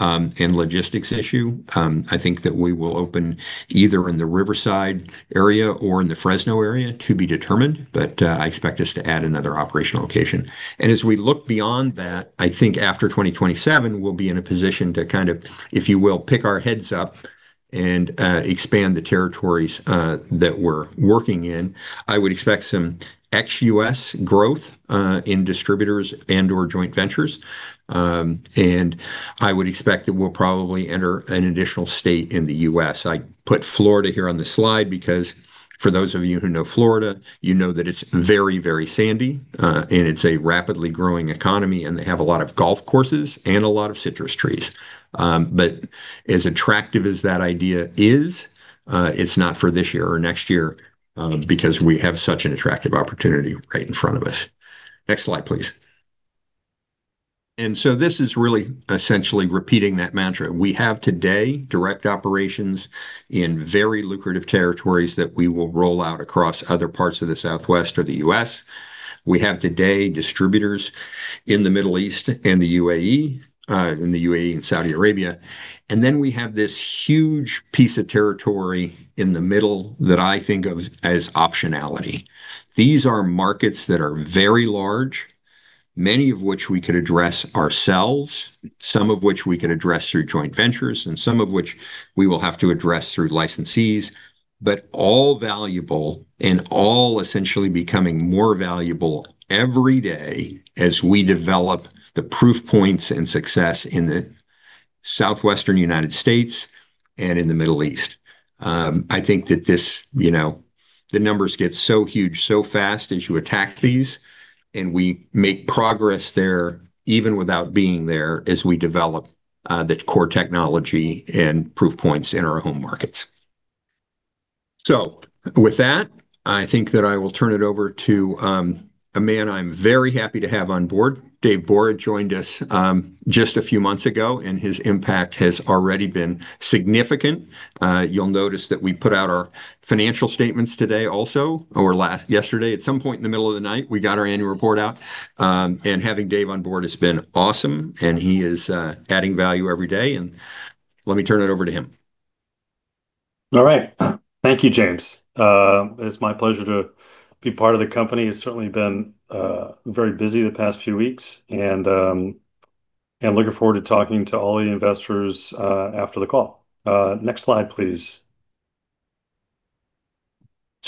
and logistics issue. I think that we will open either in the Riverside area or in the Fresno area to be determined, but I expect us to add another operational location. As we look beyond that, I think after 2027, we'll be in a position to kind of, if you will, pick our heads up and expand the territories that we're working in. I would expect some ex-U.S. growth in distributors and/or joint ventures. I would expect that we'll probably enter an additional state in the U.S. I put Florida here on the slide because for those of you who know Florida, you know that it's very, very sandy, and it's a rapidly growing economy, and they have a lot of golf courses and a lot of citrus trees. As attractive as that idea is, it's not for this year or next year, because we have such an attractive opportunity right in front of us. Next slide, please. This is really essentially repeating that mantra. We have today direct operations in very lucrative territories that we will roll out across other parts of the Southwest or the U.S. We have today distributors in the Middle East and the UAE, in the UAE and Saudi Arabia. We have this huge piece of territory in the middle that I think of as optionality. These are markets that are very large, many of which we could address ourselves, some of which we could address through joint ventures, and some of which we will have to address through licensees. All valuable and all essentially becoming more valuable every day as we develop the proof points and success in the Southwestern United States and in the Middle East. I think that this, you know, the numbers get so huge so fast as you attack these, and we make progress there even without being there as we develop the core technology and proof points in our home markets. With that, I think that I will turn it over to a man I'm very happy to have on board. Dave Borah joined us just a few months ago, and his impact has already been significant. You'll notice that we put out our financial statements today also, or yesterday. At some point in the middle of the night, we got our annual report out. Having Dave on board has been awesome, and he is adding value every day, and let me turn it over to him. All right. Thank you, James. It's my pleasure to be part of the company. It's certainly been very busy the past few weeks, and looking forward to talking to all the investors after the call. Next slide, please.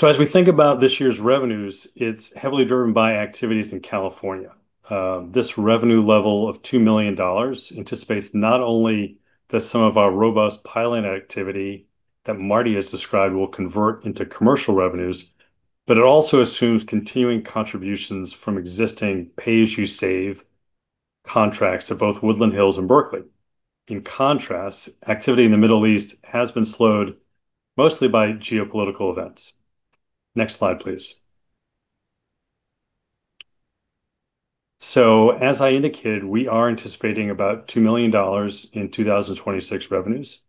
As we think about this year's revenues, it's heavily driven by activities in California. This revenue level of $2 million anticipates not only the sum of our robust piloting activity that Marty has described will convert into commercial revenues, but it also assumes continuing contributions from existing Pay-As-You-Save contracts at both Woodland Hills and Berkeley. In contrast, activity in the Middle East has been slowed mostly by geopolitical events. Next slide, please. As I indicated, we are anticipating about $2 million in 2026 revenues.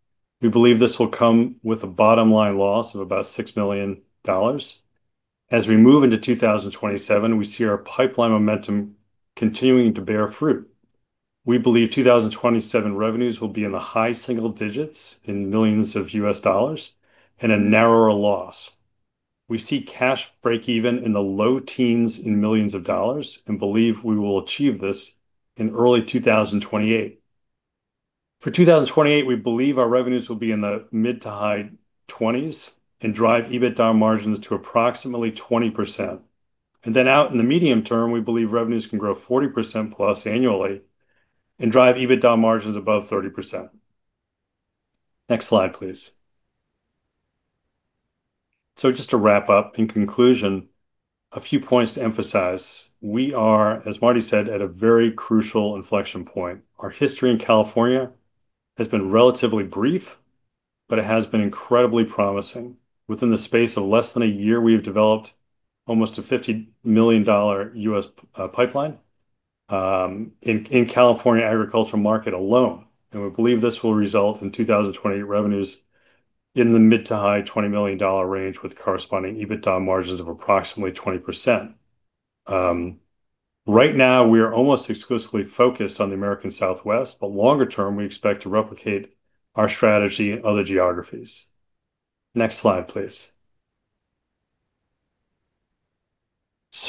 We believe this will come with a bottom-line loss of about $6 million. As we move into 2027, we see our pipeline momentum continuing to bear fruit. We believe 2027 revenues will be in the high single-digits in millions of US dollars and a narrower loss. We see cash flow breakeven in the low teens in millions of dollars and believe we will achieve this in early 2028. For 2028, we believe our revenues will be in the mid to high -20s and drive EBITDA margins to approximately 20%. Out in the medium term, we believe revenues can grow 40%+ annually and drive EBITDA margins above 30%. Next slide, please. Just to wrap up, in conclusion, a few points to emphasize. We are, as Marty said, at a very crucial inflection point. Our history in California has been relatively brief, but it has been incredibly promising. Within the space of less than a year, we have developed almost a $50 million U.S. pipeline in California agricultural market alone. We believe this will result in 2028 revenues in the mid-to-high $20 million range with corresponding EBITDA margins of approximately 20%. Right now, we are almost exclusively focused on the American Southwest, but longer term, we expect to replicate our strategy in other geographies. Next slide, please.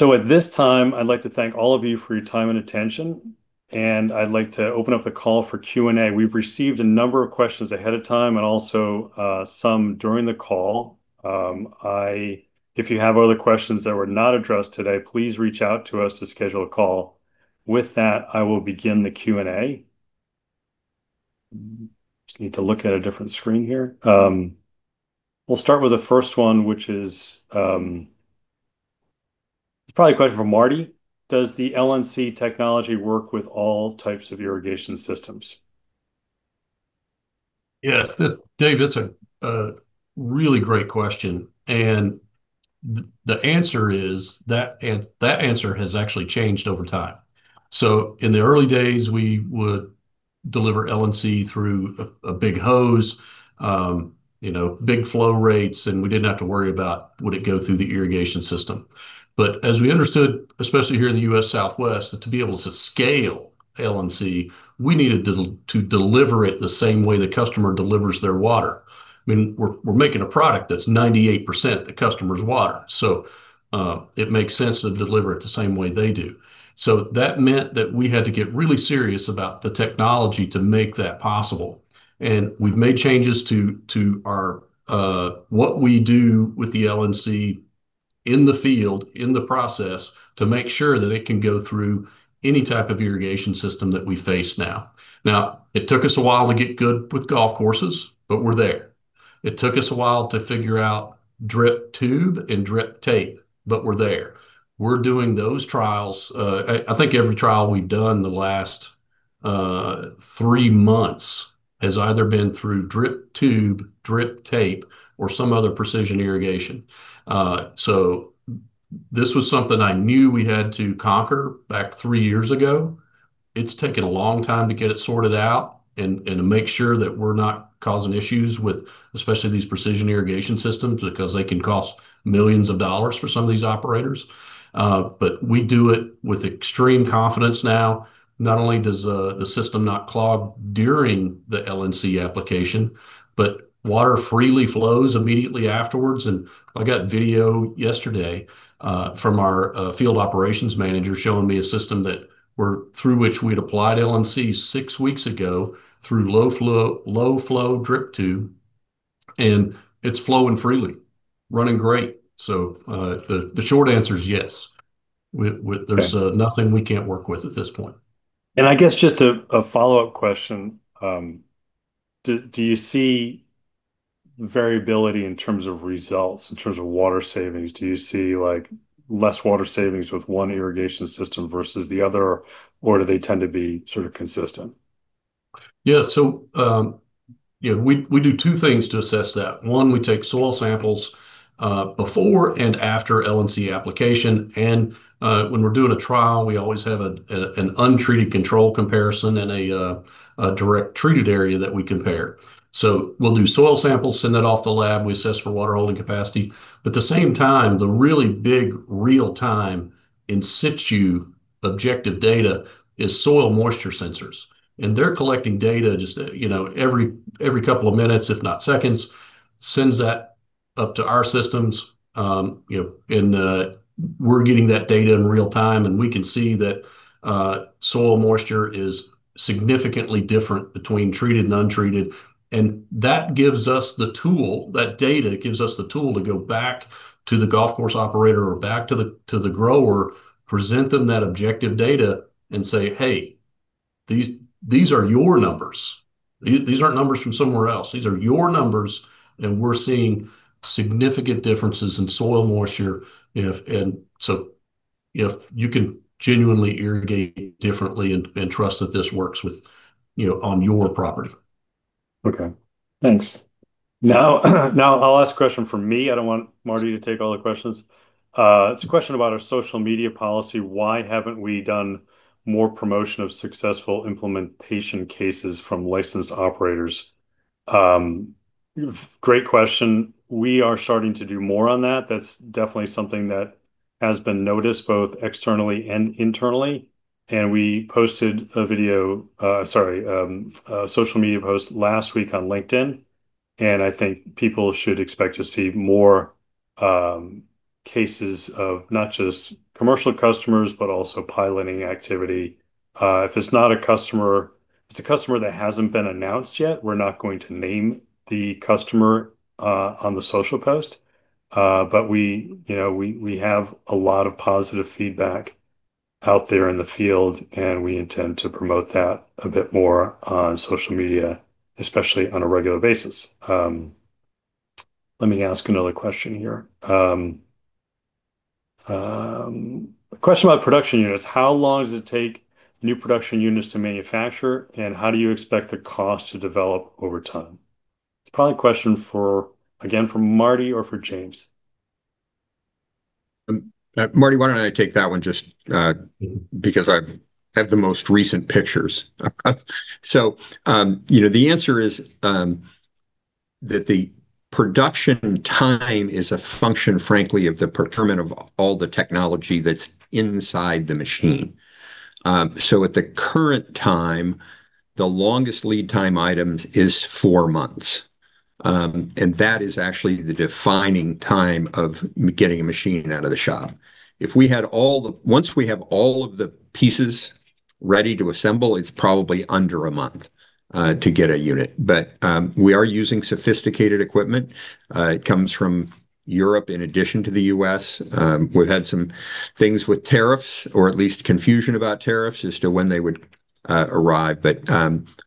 At this time, I'd like to thank all of you for your time and attention, and I'd like to open up the call for Q&A. We've received a number of questions ahead of time and also some during the call. If you have other questions that were not addressed today, please reach out to us to schedule a call. With that, I will begin the Q&A. Just need to look at a different screen here. We'll start with the first one, which is, it's probably a question for Marty. Does the LNC technology work with all types of irrigation systems? Yeah. Dave, that's a really great question. The answer is that that answer has actually changed over time. In the early days, we would deliver LNC through a big hose, you know, big flow rates, and we didn't have to worry about would it go through the irrigation system. As we understood, especially here in the U.S. Southwest, that to be able to scale LNC, we needed to deliver it the same way the customer delivers their water. I mean, we're making a product that's 98% the customer's water. It makes sense to deliver it the same way they do. That meant that we had to get really serious about the technology to make that possible. We've made changes to our what we do with the LNC in the field, in the process, to make sure that it can go through any type of irrigation system that we face now. It took us a while to get good with golf courses, but we're there. It took us a while to figure out drip tube and drip tape, but we're there. We're doing those trials. I think every trial we've done in the last three months has either been through drip tube, drip tape or some other precision irrigation. This was something I knew we had to conquer back three years ago. It's taken a long time to get it sorted out and to make sure that we're not causing issues with, especially these precision irrigation systems because they can cost millions of dollars for some of these operators. We do it with extreme confidence now. Not only does the system not clog during the LNC application, water freely flows immediately afterwards. I got video yesterday from our field operations manager showing me a system that we're, through which we'd applied LNC six weeks ago through low flow drip tube, it's flowing freely. Running great. The short answer is yes. Okay There's nothing we can't work with at this point. I guess just a follow-up question. Do you see variability in terms of results, in terms of water savings? Do you see, like, less water savings with one irrigation system versus the other, or do they tend to be sort of consistent? Yeah. You know, we do two things to assess that. One, we take soil samples before and after LNC application. When we're doing a trial, we always have an untreated control comparison and a direct treated area that we compare. We'll do soil samples, send that off to the lab. We assess for water holding capacity. At the same time, the really big real time in situ objective data is soil moisture sensors. They're collecting data just, you know, every couple of minutes, if not seconds, sends that up to our systems. You know, we're getting that data in real time, and we can see that soil moisture is significantly different between treated and untreated. That gives us the tool, that data gives us the tool to go back to the golf course operator or back to the grower, present them that objective data and say, "Hey, these are your numbers. These aren't numbers from somewhere else. These are your numbers. We're seeing significant differences in soil moisture. If you can genuinely irrigate differently and trust that this works with, you know, on your property. Okay, thanks. A last question from me. I don't want Marty to take all the questions. It's a question about our social media policy. Why haven't we done more promotion of successful implementation cases from licensed operators? Great question. We are starting to do more on that. That's definitely something that has been noticed both externally and internally. We posted a video, sorry, a social media post last week on LinkedIn, and I think people should expect to see more cases of not just commercial customers, but also piloting activity. If it's a customer that hasn't been announced yet, we're not going to name the customer on the social post. We, you know, we have a lot of positive feedback out there in the field, and we intend to promote that a bit more on social media, especially on a regular basis. Let me ask another question here. A question about production units. How long does it take new production units to manufacture, and how do you expect the cost to develop over time? It's probably a question for Marty or for James. Marty, why don't I take that one just because I have the most recent pictures. You know, the answer is that the production time is a function, frankly, of the procurement of all the technology that's inside the machine. At the current time, the longest lead time items is four months. That is actually the defining time of getting a machine out of the shop. Once we have all of the pieces ready to assemble, it's probably under a month to get a unit. We are using sophisticated equipment. It comes from Europe in addition to the U.S. We've had some things with tariffs or at least confusion about tariffs as to when they would arrive.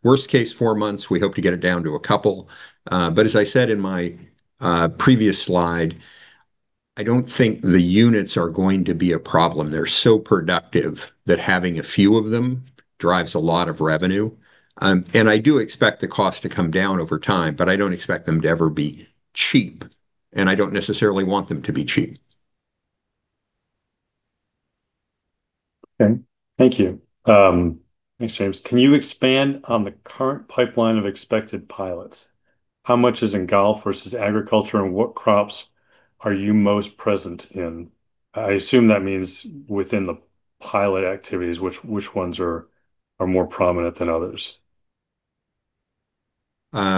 Worst case, four months. We hope to get it down to a couple. As I said in my previous slide, I don't think the units are going to be a problem. They're so productive that having a few of them drives a lot of revenue. I do expect the cost to come down over time, but I don't expect them to ever be cheap, and I don't necessarily want them to be cheap. Okay. Thank you. Thanks, James. Can you expand on the current pipeline of expected pilots? How much is in golf versus agriculture, and what crops are you most present in? I assume that means within the pilot activities, which ones are more prominent than others? I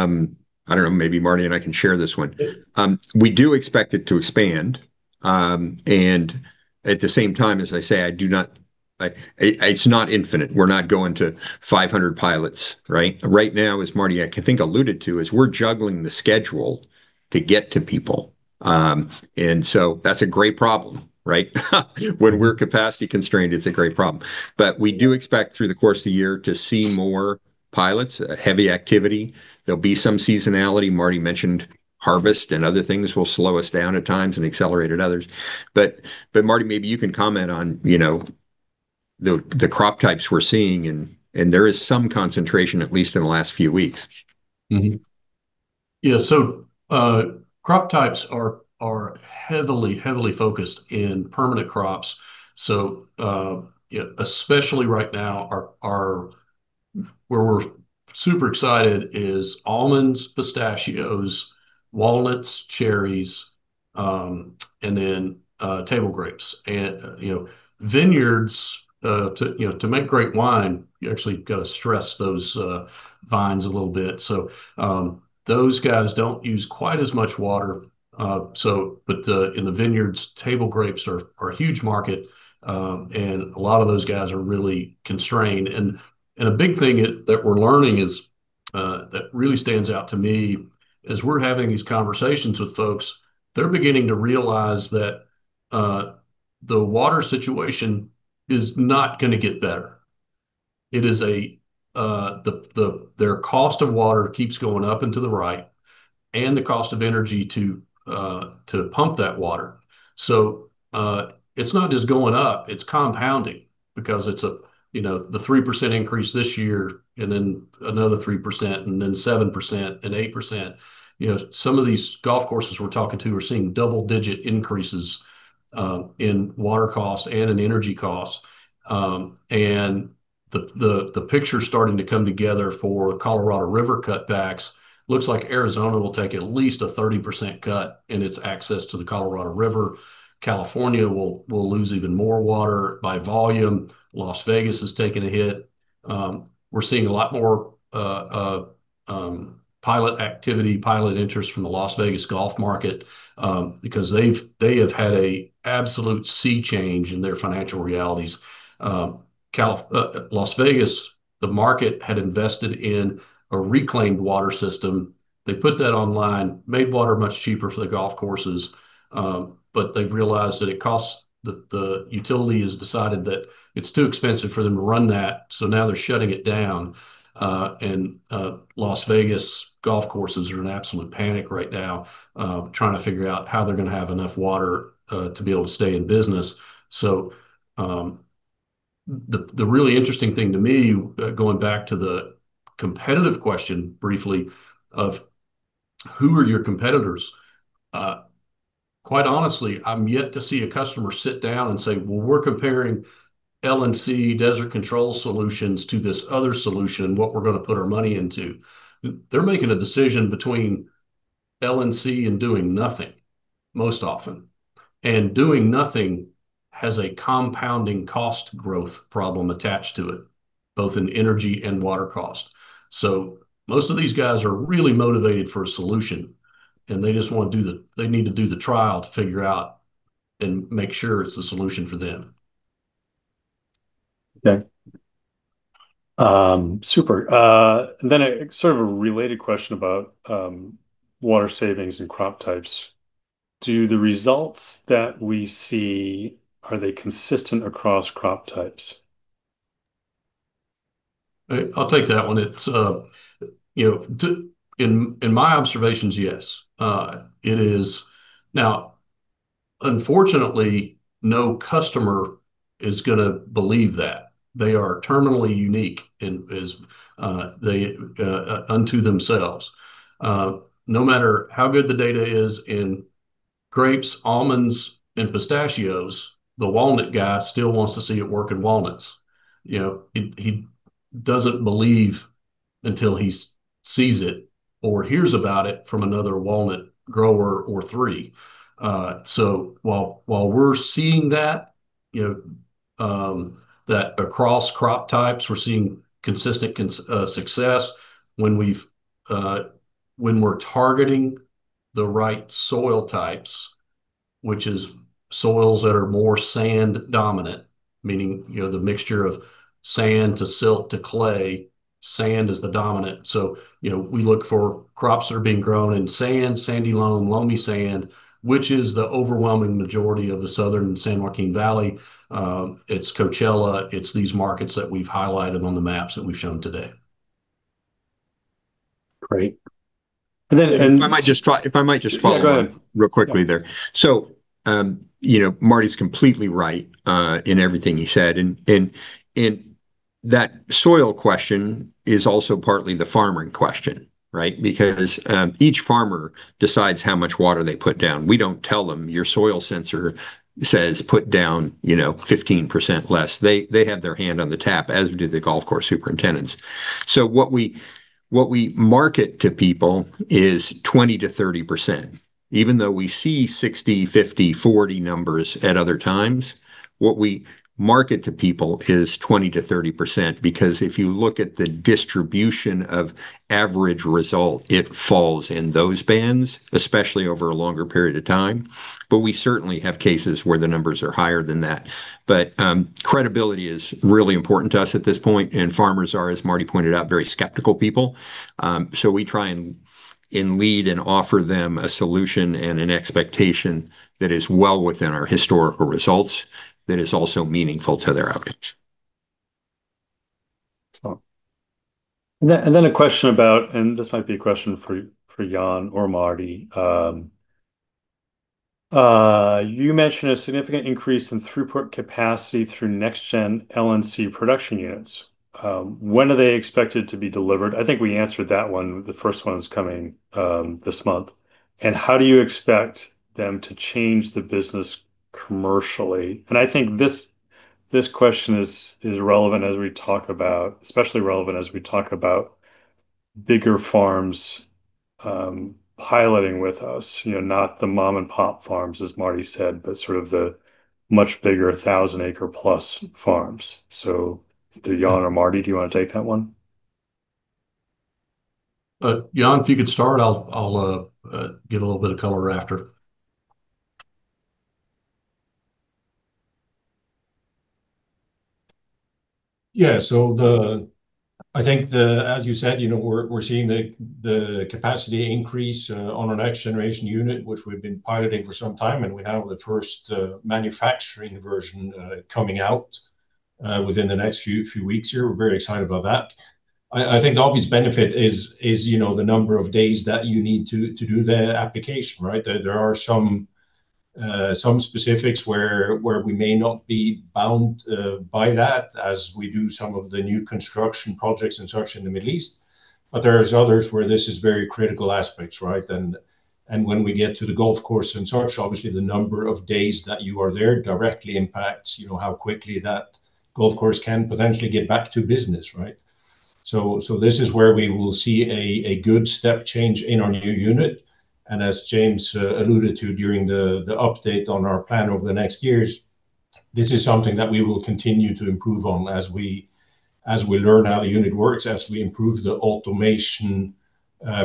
don't know, maybe Marty and I can share this one. We do expect it to expand. And at the same time, as I say, I do not, it's not infinite. We're not going to 500 pilots, right? Right now, as Marty I think alluded to, is we're juggling the schedule to get to people. That's a great problem, right? When we're capacity constrained, it's a great problem. We do expect through the course of the year to see more pilots, heavy activity. There'll be some seasonality. Marty mentioned harvest and other things will slow us down at times and accelerate at others. Marty, maybe you can comment on, you know, the crop types we're seeing and there is some concentration, at least in the last few weeks. Yeah. Crop types are heavily focused in permanent crops. Yeah, especially right now our Where we're super excited is almonds, pistachios, walnuts, cherries, and then, table grapes. You know, vineyards, to, you know, to make great wine, you actually got to stress those vines a little bit. Those guys don't use quite as much water, so but, in the vineyards, table grapes are a huge market. A lot of those guys are really constrained. A big thing it, that we're learning is, that really stands out to me as we're having these conversations with folks, they're beginning to realize that, the water situation is not gonna get better. It is the cost of water keeps going up and to the right and the cost of energy to pump that water. It's not just going up, it's compounding because it's, you know, the 3% increase this year and then another 3% and then 7% and 8%. You know, some of these golf courses we're talking to are seeing double-digit increases in water costs and in energy costs. The picture's starting to come together for Colorado River cutbacks. Looks like Arizona will take at least a 30% cut in its access to the Colorado River. California will lose even more water by volume. Las Vegas has taken a hit. We're seeing a lot more pilot activity, pilot interest from the Las Vegas golf market because they have had a absolute sea change in their financial realities. Las Vegas, the market had invested in a reclaimed water system. They put that online, made water much cheaper for the golf courses, but they've realized that it costs the utility has decided that it's too expensive for them to run that, so now they're shutting it down. Las Vegas golf courses are in absolute panic right now, trying to figure out how they're gonna have enough water to be able to stay in business. The really interesting thing to me, going back to the competitive question briefly of who are your competitors, quite honestly, I'm yet to see a customer sit down and say, "Well, we're comparing LNC Desert Control solutions to this other solution, what we're gonna put our money into." They're making a decision between LNC and doing nothing most often. Doing nothing has a compounding cost growth problem attached to it, both in energy and water cost. Most of these guys are really motivated for a solution, and they need to do the trial to figure out and make sure it's the solution for them. Okay. Super. A sort of a related question about water savings and crop types. Do the results that we see, are they consistent across crop types? I'll take that one. It's, you know, in my observations, yes, it is. Unfortunately, no customer is gonna believe that. They are terminally unique in, as they unto themselves. No matter how good the data is in grapes, almonds, and pistachios, the walnut guy still wants to see it work in walnuts. You know, he doesn't believe until he sees it or hears about it from another walnut grower or three. While we're seeing that, you know, that across crop types we're seeing consistent success when we've when we're targeting the right soil types, which is soils that are more sand dominant, meaning, you know, the mixture of sand to silt to clay, sand is the dominant. You know, we look for crops that are being grown in sand, sandy loam, loamy sand, which is the overwhelming majority of the southern San Joaquin Valley. It's Coachella, it's these markets that we've highlighted on the maps that we've shown today. Great. If I might just follow up. Yeah, go ahead. Real quickly there. You know, Marty's completely right in everything he said. That soil question is also partly the farmer in question, right? Because each farmer decides how much water they put down. We don't tell them, "Your soil sensor says put down, you know, 15% less." They have their hand on the tap, as do the golf course superintendents. What we market to people is 20%-30%. Even though we see 60%, 50%, 40% numbers at other times, what we market to people is 20%-30%, because if you look at the distribution of average result, it falls in those bands, especially over a longer period of time. But we certainly have cases where the numbers are higher than that. Credibility is really important to us at this point, and farmers are, as Marty pointed out, very skeptical people. We try and lead and offer them a solution and an expectation that is well within our historical results that is also meaningful to their outcomes. Excellent. Then, a question about this might be a question for Jan or Marty. You mentioned a significant increase in throughput capacity through next gen LNC production units. When are they expected to be delivered? I think we answered that one. The first one is coming this month. How do you expect them to change the business commercially? I think this question is relevant as we talk about, especially relevant as we talk about bigger farms, piloting with us. You know, not the mom-and-pop farms, as Marty said, but sort of the much bigger 1,000 acre plus farms. Either Jan or Marty, do you want to take that one? Jan, if you could start, I'll give a little bit of color after. As you said, you know, we're seeing the capacity increase on our next generation unit, which we've been piloting for some time, and we have the first manufacturing version coming out within the next few weeks here. We're very excited about that. I think the obvious benefit is, you know, the number of days that you need to do the application, right. There are some specifics where we may not be bound by that as we do some of the new construction projects and such in the Middle East. There's others where this is very critical aspects, right. When we get to the golf course and such, obviously the number of days that you are there directly impacts, you know, how quickly that golf course can potentially get back to business, right. This is where we will see a good step change in our new unit. As James alluded to during the update on our plan over the next years, this is something that we will continue to improve on as we learn how the unit works, as we improve the automation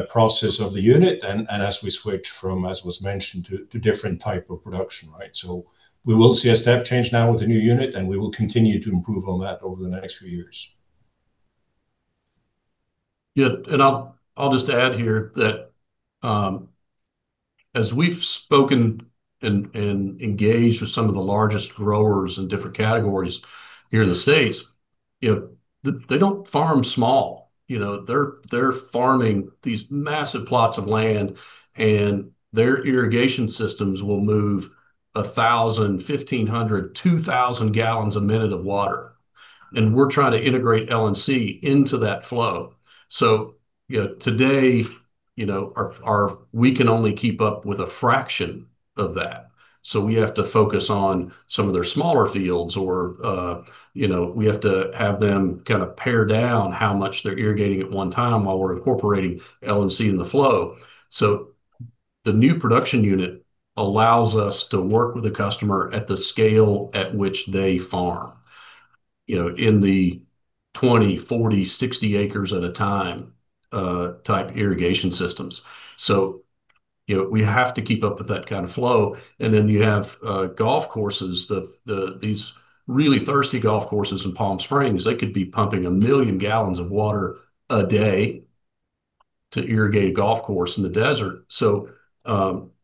process of the unit, as we switch from, as was mentioned, to different type of production, right. We will see a step change now with the new unit, and we will continue to improve on that over the next few years. Yeah. I'll just add here that, as we've spoken and engaged with some of the largest growers in different categories here in the United States you know, they don't farm small. You know, they're farming these massive plots of land, their irrigation systems will move 1,000, 1,500, 2,000 gallons a minute of water, we're trying to integrate LNC into that flow. You know, today, you know, we can only keep up with a fraction of that. We have to focus on some of their smaller fields or, you know, we have to have them kind of pare down how much they're irrigating at one time while we're incorporating LNC in the flow. The new production unit allows us to work with the customer at the scale at which they farm, you know, in the 20, 40, 60 acres at a time, type irrigation systems. You know, we have to keep up with that kind of flow. You have golf courses. These really thirsty golf courses in Palm Springs, they could be pumping 1 million gallons of water a day to irrigate a golf course in the desert.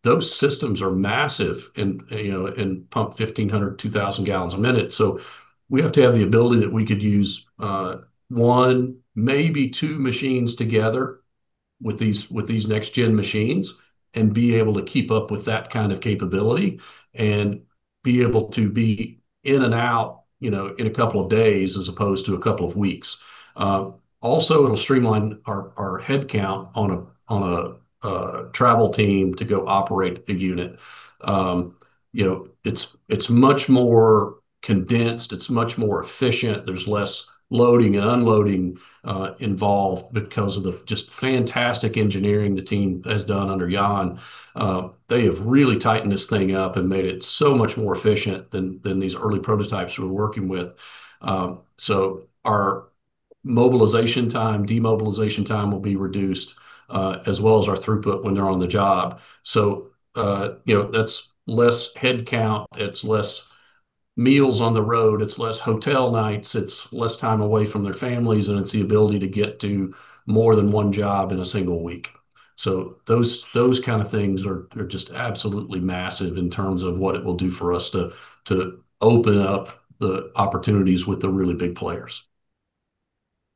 Those systems are massive and, you know, and pump 1,500, 2,000 gallons a minute. We have to have the ability that we could use one, maybe two machines together with these, with these next gen machines and be able to keep up with that kind of capability and be able to be in and out, you know, in a couple of days as opposed to a couple of weeks. Also it'll streamline our headcount on a travel team to go operate a unit. You know, it's much more condensed, it's much more efficient. There's less loading and unloading involved because of the just fantastic engineering the team has done under Jan. They have really tightened this thing up and made it so much more efficient than these early prototypes we were working with. Our mobilization time, demobilization time will be reduced, as well as our throughput when they're on the job. You know, that's less headcount, it's less meals on the road, it's less hotel nights, it's less time away from their families, and it's the ability to get to more than one job in a single week. Those kind of things are just absolutely massive in terms of what it will do for us to open up the opportunities with the really big players.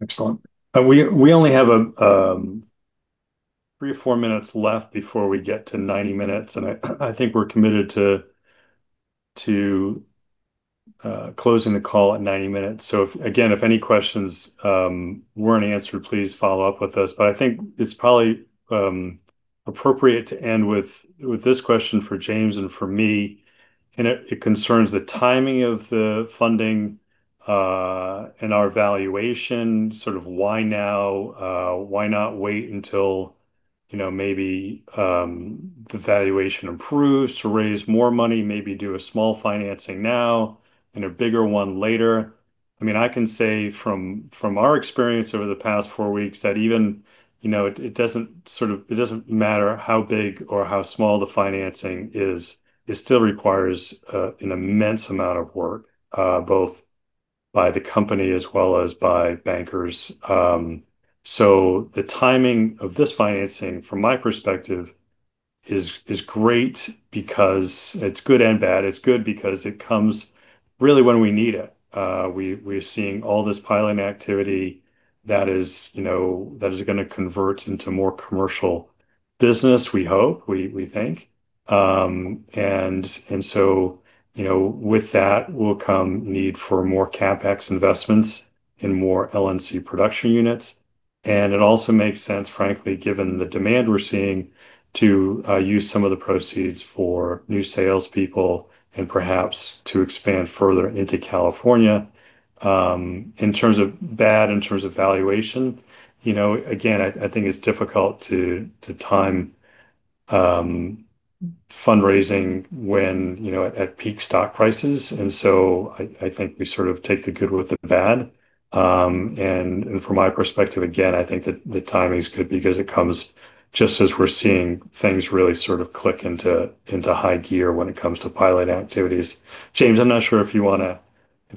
Excellent. We only have a 3 or 4 minutes left before we get to 90 minutes, and I think we're committed to closing the call at 90 minutes. If again, if any questions weren't answered, please follow up with us. I think it's probably appropriate to end with this question for James and for me, and it concerns the timing of the funding and our valuation. Sort of why now? Why not wait until, you know, maybe the valuation improves to raise more money? Maybe do a small financing now and a bigger one later? I mean, I can say from our experience over the past four weeks that even, you know, it doesn't matter how big or how small the financing is, it still requires an immense amount of work, both by the company as well as by bankers. The timing of this financing from my perspective is great because it's good and bad. It's good because it comes really when we need it. We're seeing all this piling activity that is, you know, that is gonna convert into more commercial business we hope, we think. You know, with that will come need for more CapEx investments and more LNC production units. It also makes sense, frankly, given the demand we're seeing to use some of the proceeds for new salespeople and perhaps to expand further into California. In terms of bad, in terms of valuation, you know, again, I think it's difficult to time fundraising when, you know, at peak stock prices. I think we sort of take the good with the bad. From my perspective, again, I think that the timing's good because it comes just as we're seeing things really sort of click into high gear when it comes to pilot activities. James, I'm not sure if you wanna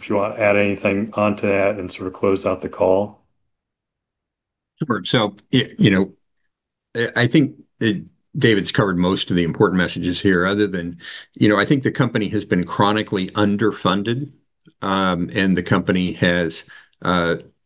add anything onto that and sort of close out the call. Sure. You know, I think that David's covered most of the important messages here other than, you know, I think the company has been chronically underfunded, and the company has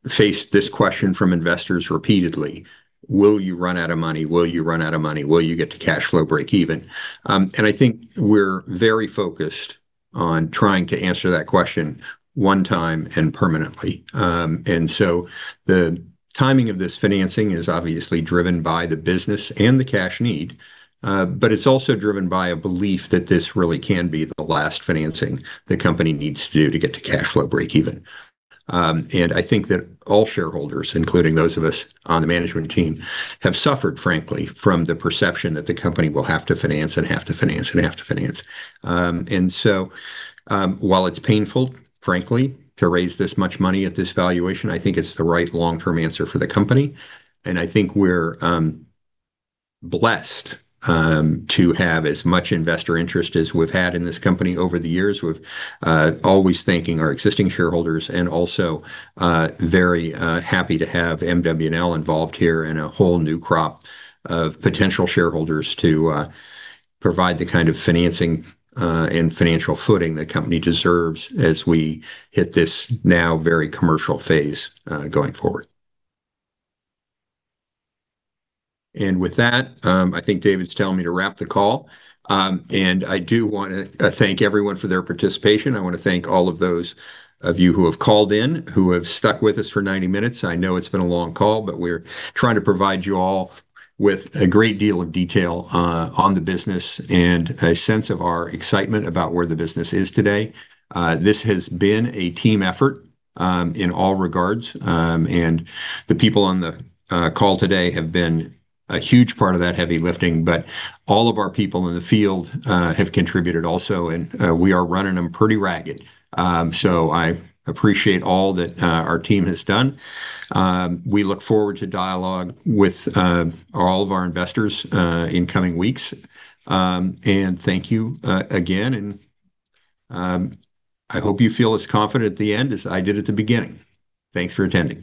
faced this question from investors repeatedly, "Will you run out of money? Will you run out of money? Will you get to cash flow breakeven?" I think we're very focused on trying to answer that question one time and permanently. The timing of this financing is obviously driven by the business and the cash need, but it's also driven by a belief that this really can be the last financing the company needs to do to get to cash flow breakeven. I think that all shareholders, including those of us on the management team, have suffered, frankly, from the perception that the company will have to finance. While it's painful, frankly, to raise this much money at this valuation, I think it's the right long-term answer for the company, and I think we're blessed to have as much investor interest as we've had in this company over the years. We've always thanking our existing shareholders, also very happy to have MW&L involved here and a whole new crop of potential shareholders to provide the kind of financing and financial footing the company deserves as we hit this now very commercial phase going forward. With that, I think David's telling me to wrap the call. I do wanna thank everyone for their participation. I wanna thank all of those of you who have called in, who have stuck with us for 90 minutes. I know it's been a long call, we're trying to provide you all with a great deal of detail on the business and a sense of our excitement about where the business is today. This has been a team effort in all regards. The people on the call today have been a huge part of that heavy lifting. All of our people in the field have contributed also, we are running them pretty ragged. I appreciate all that our team has done. We look forward to dialogue with all of our investors in coming weeks. Thank you again and I hope you feel as confident at the end as I did at the beginning. Thanks for attending.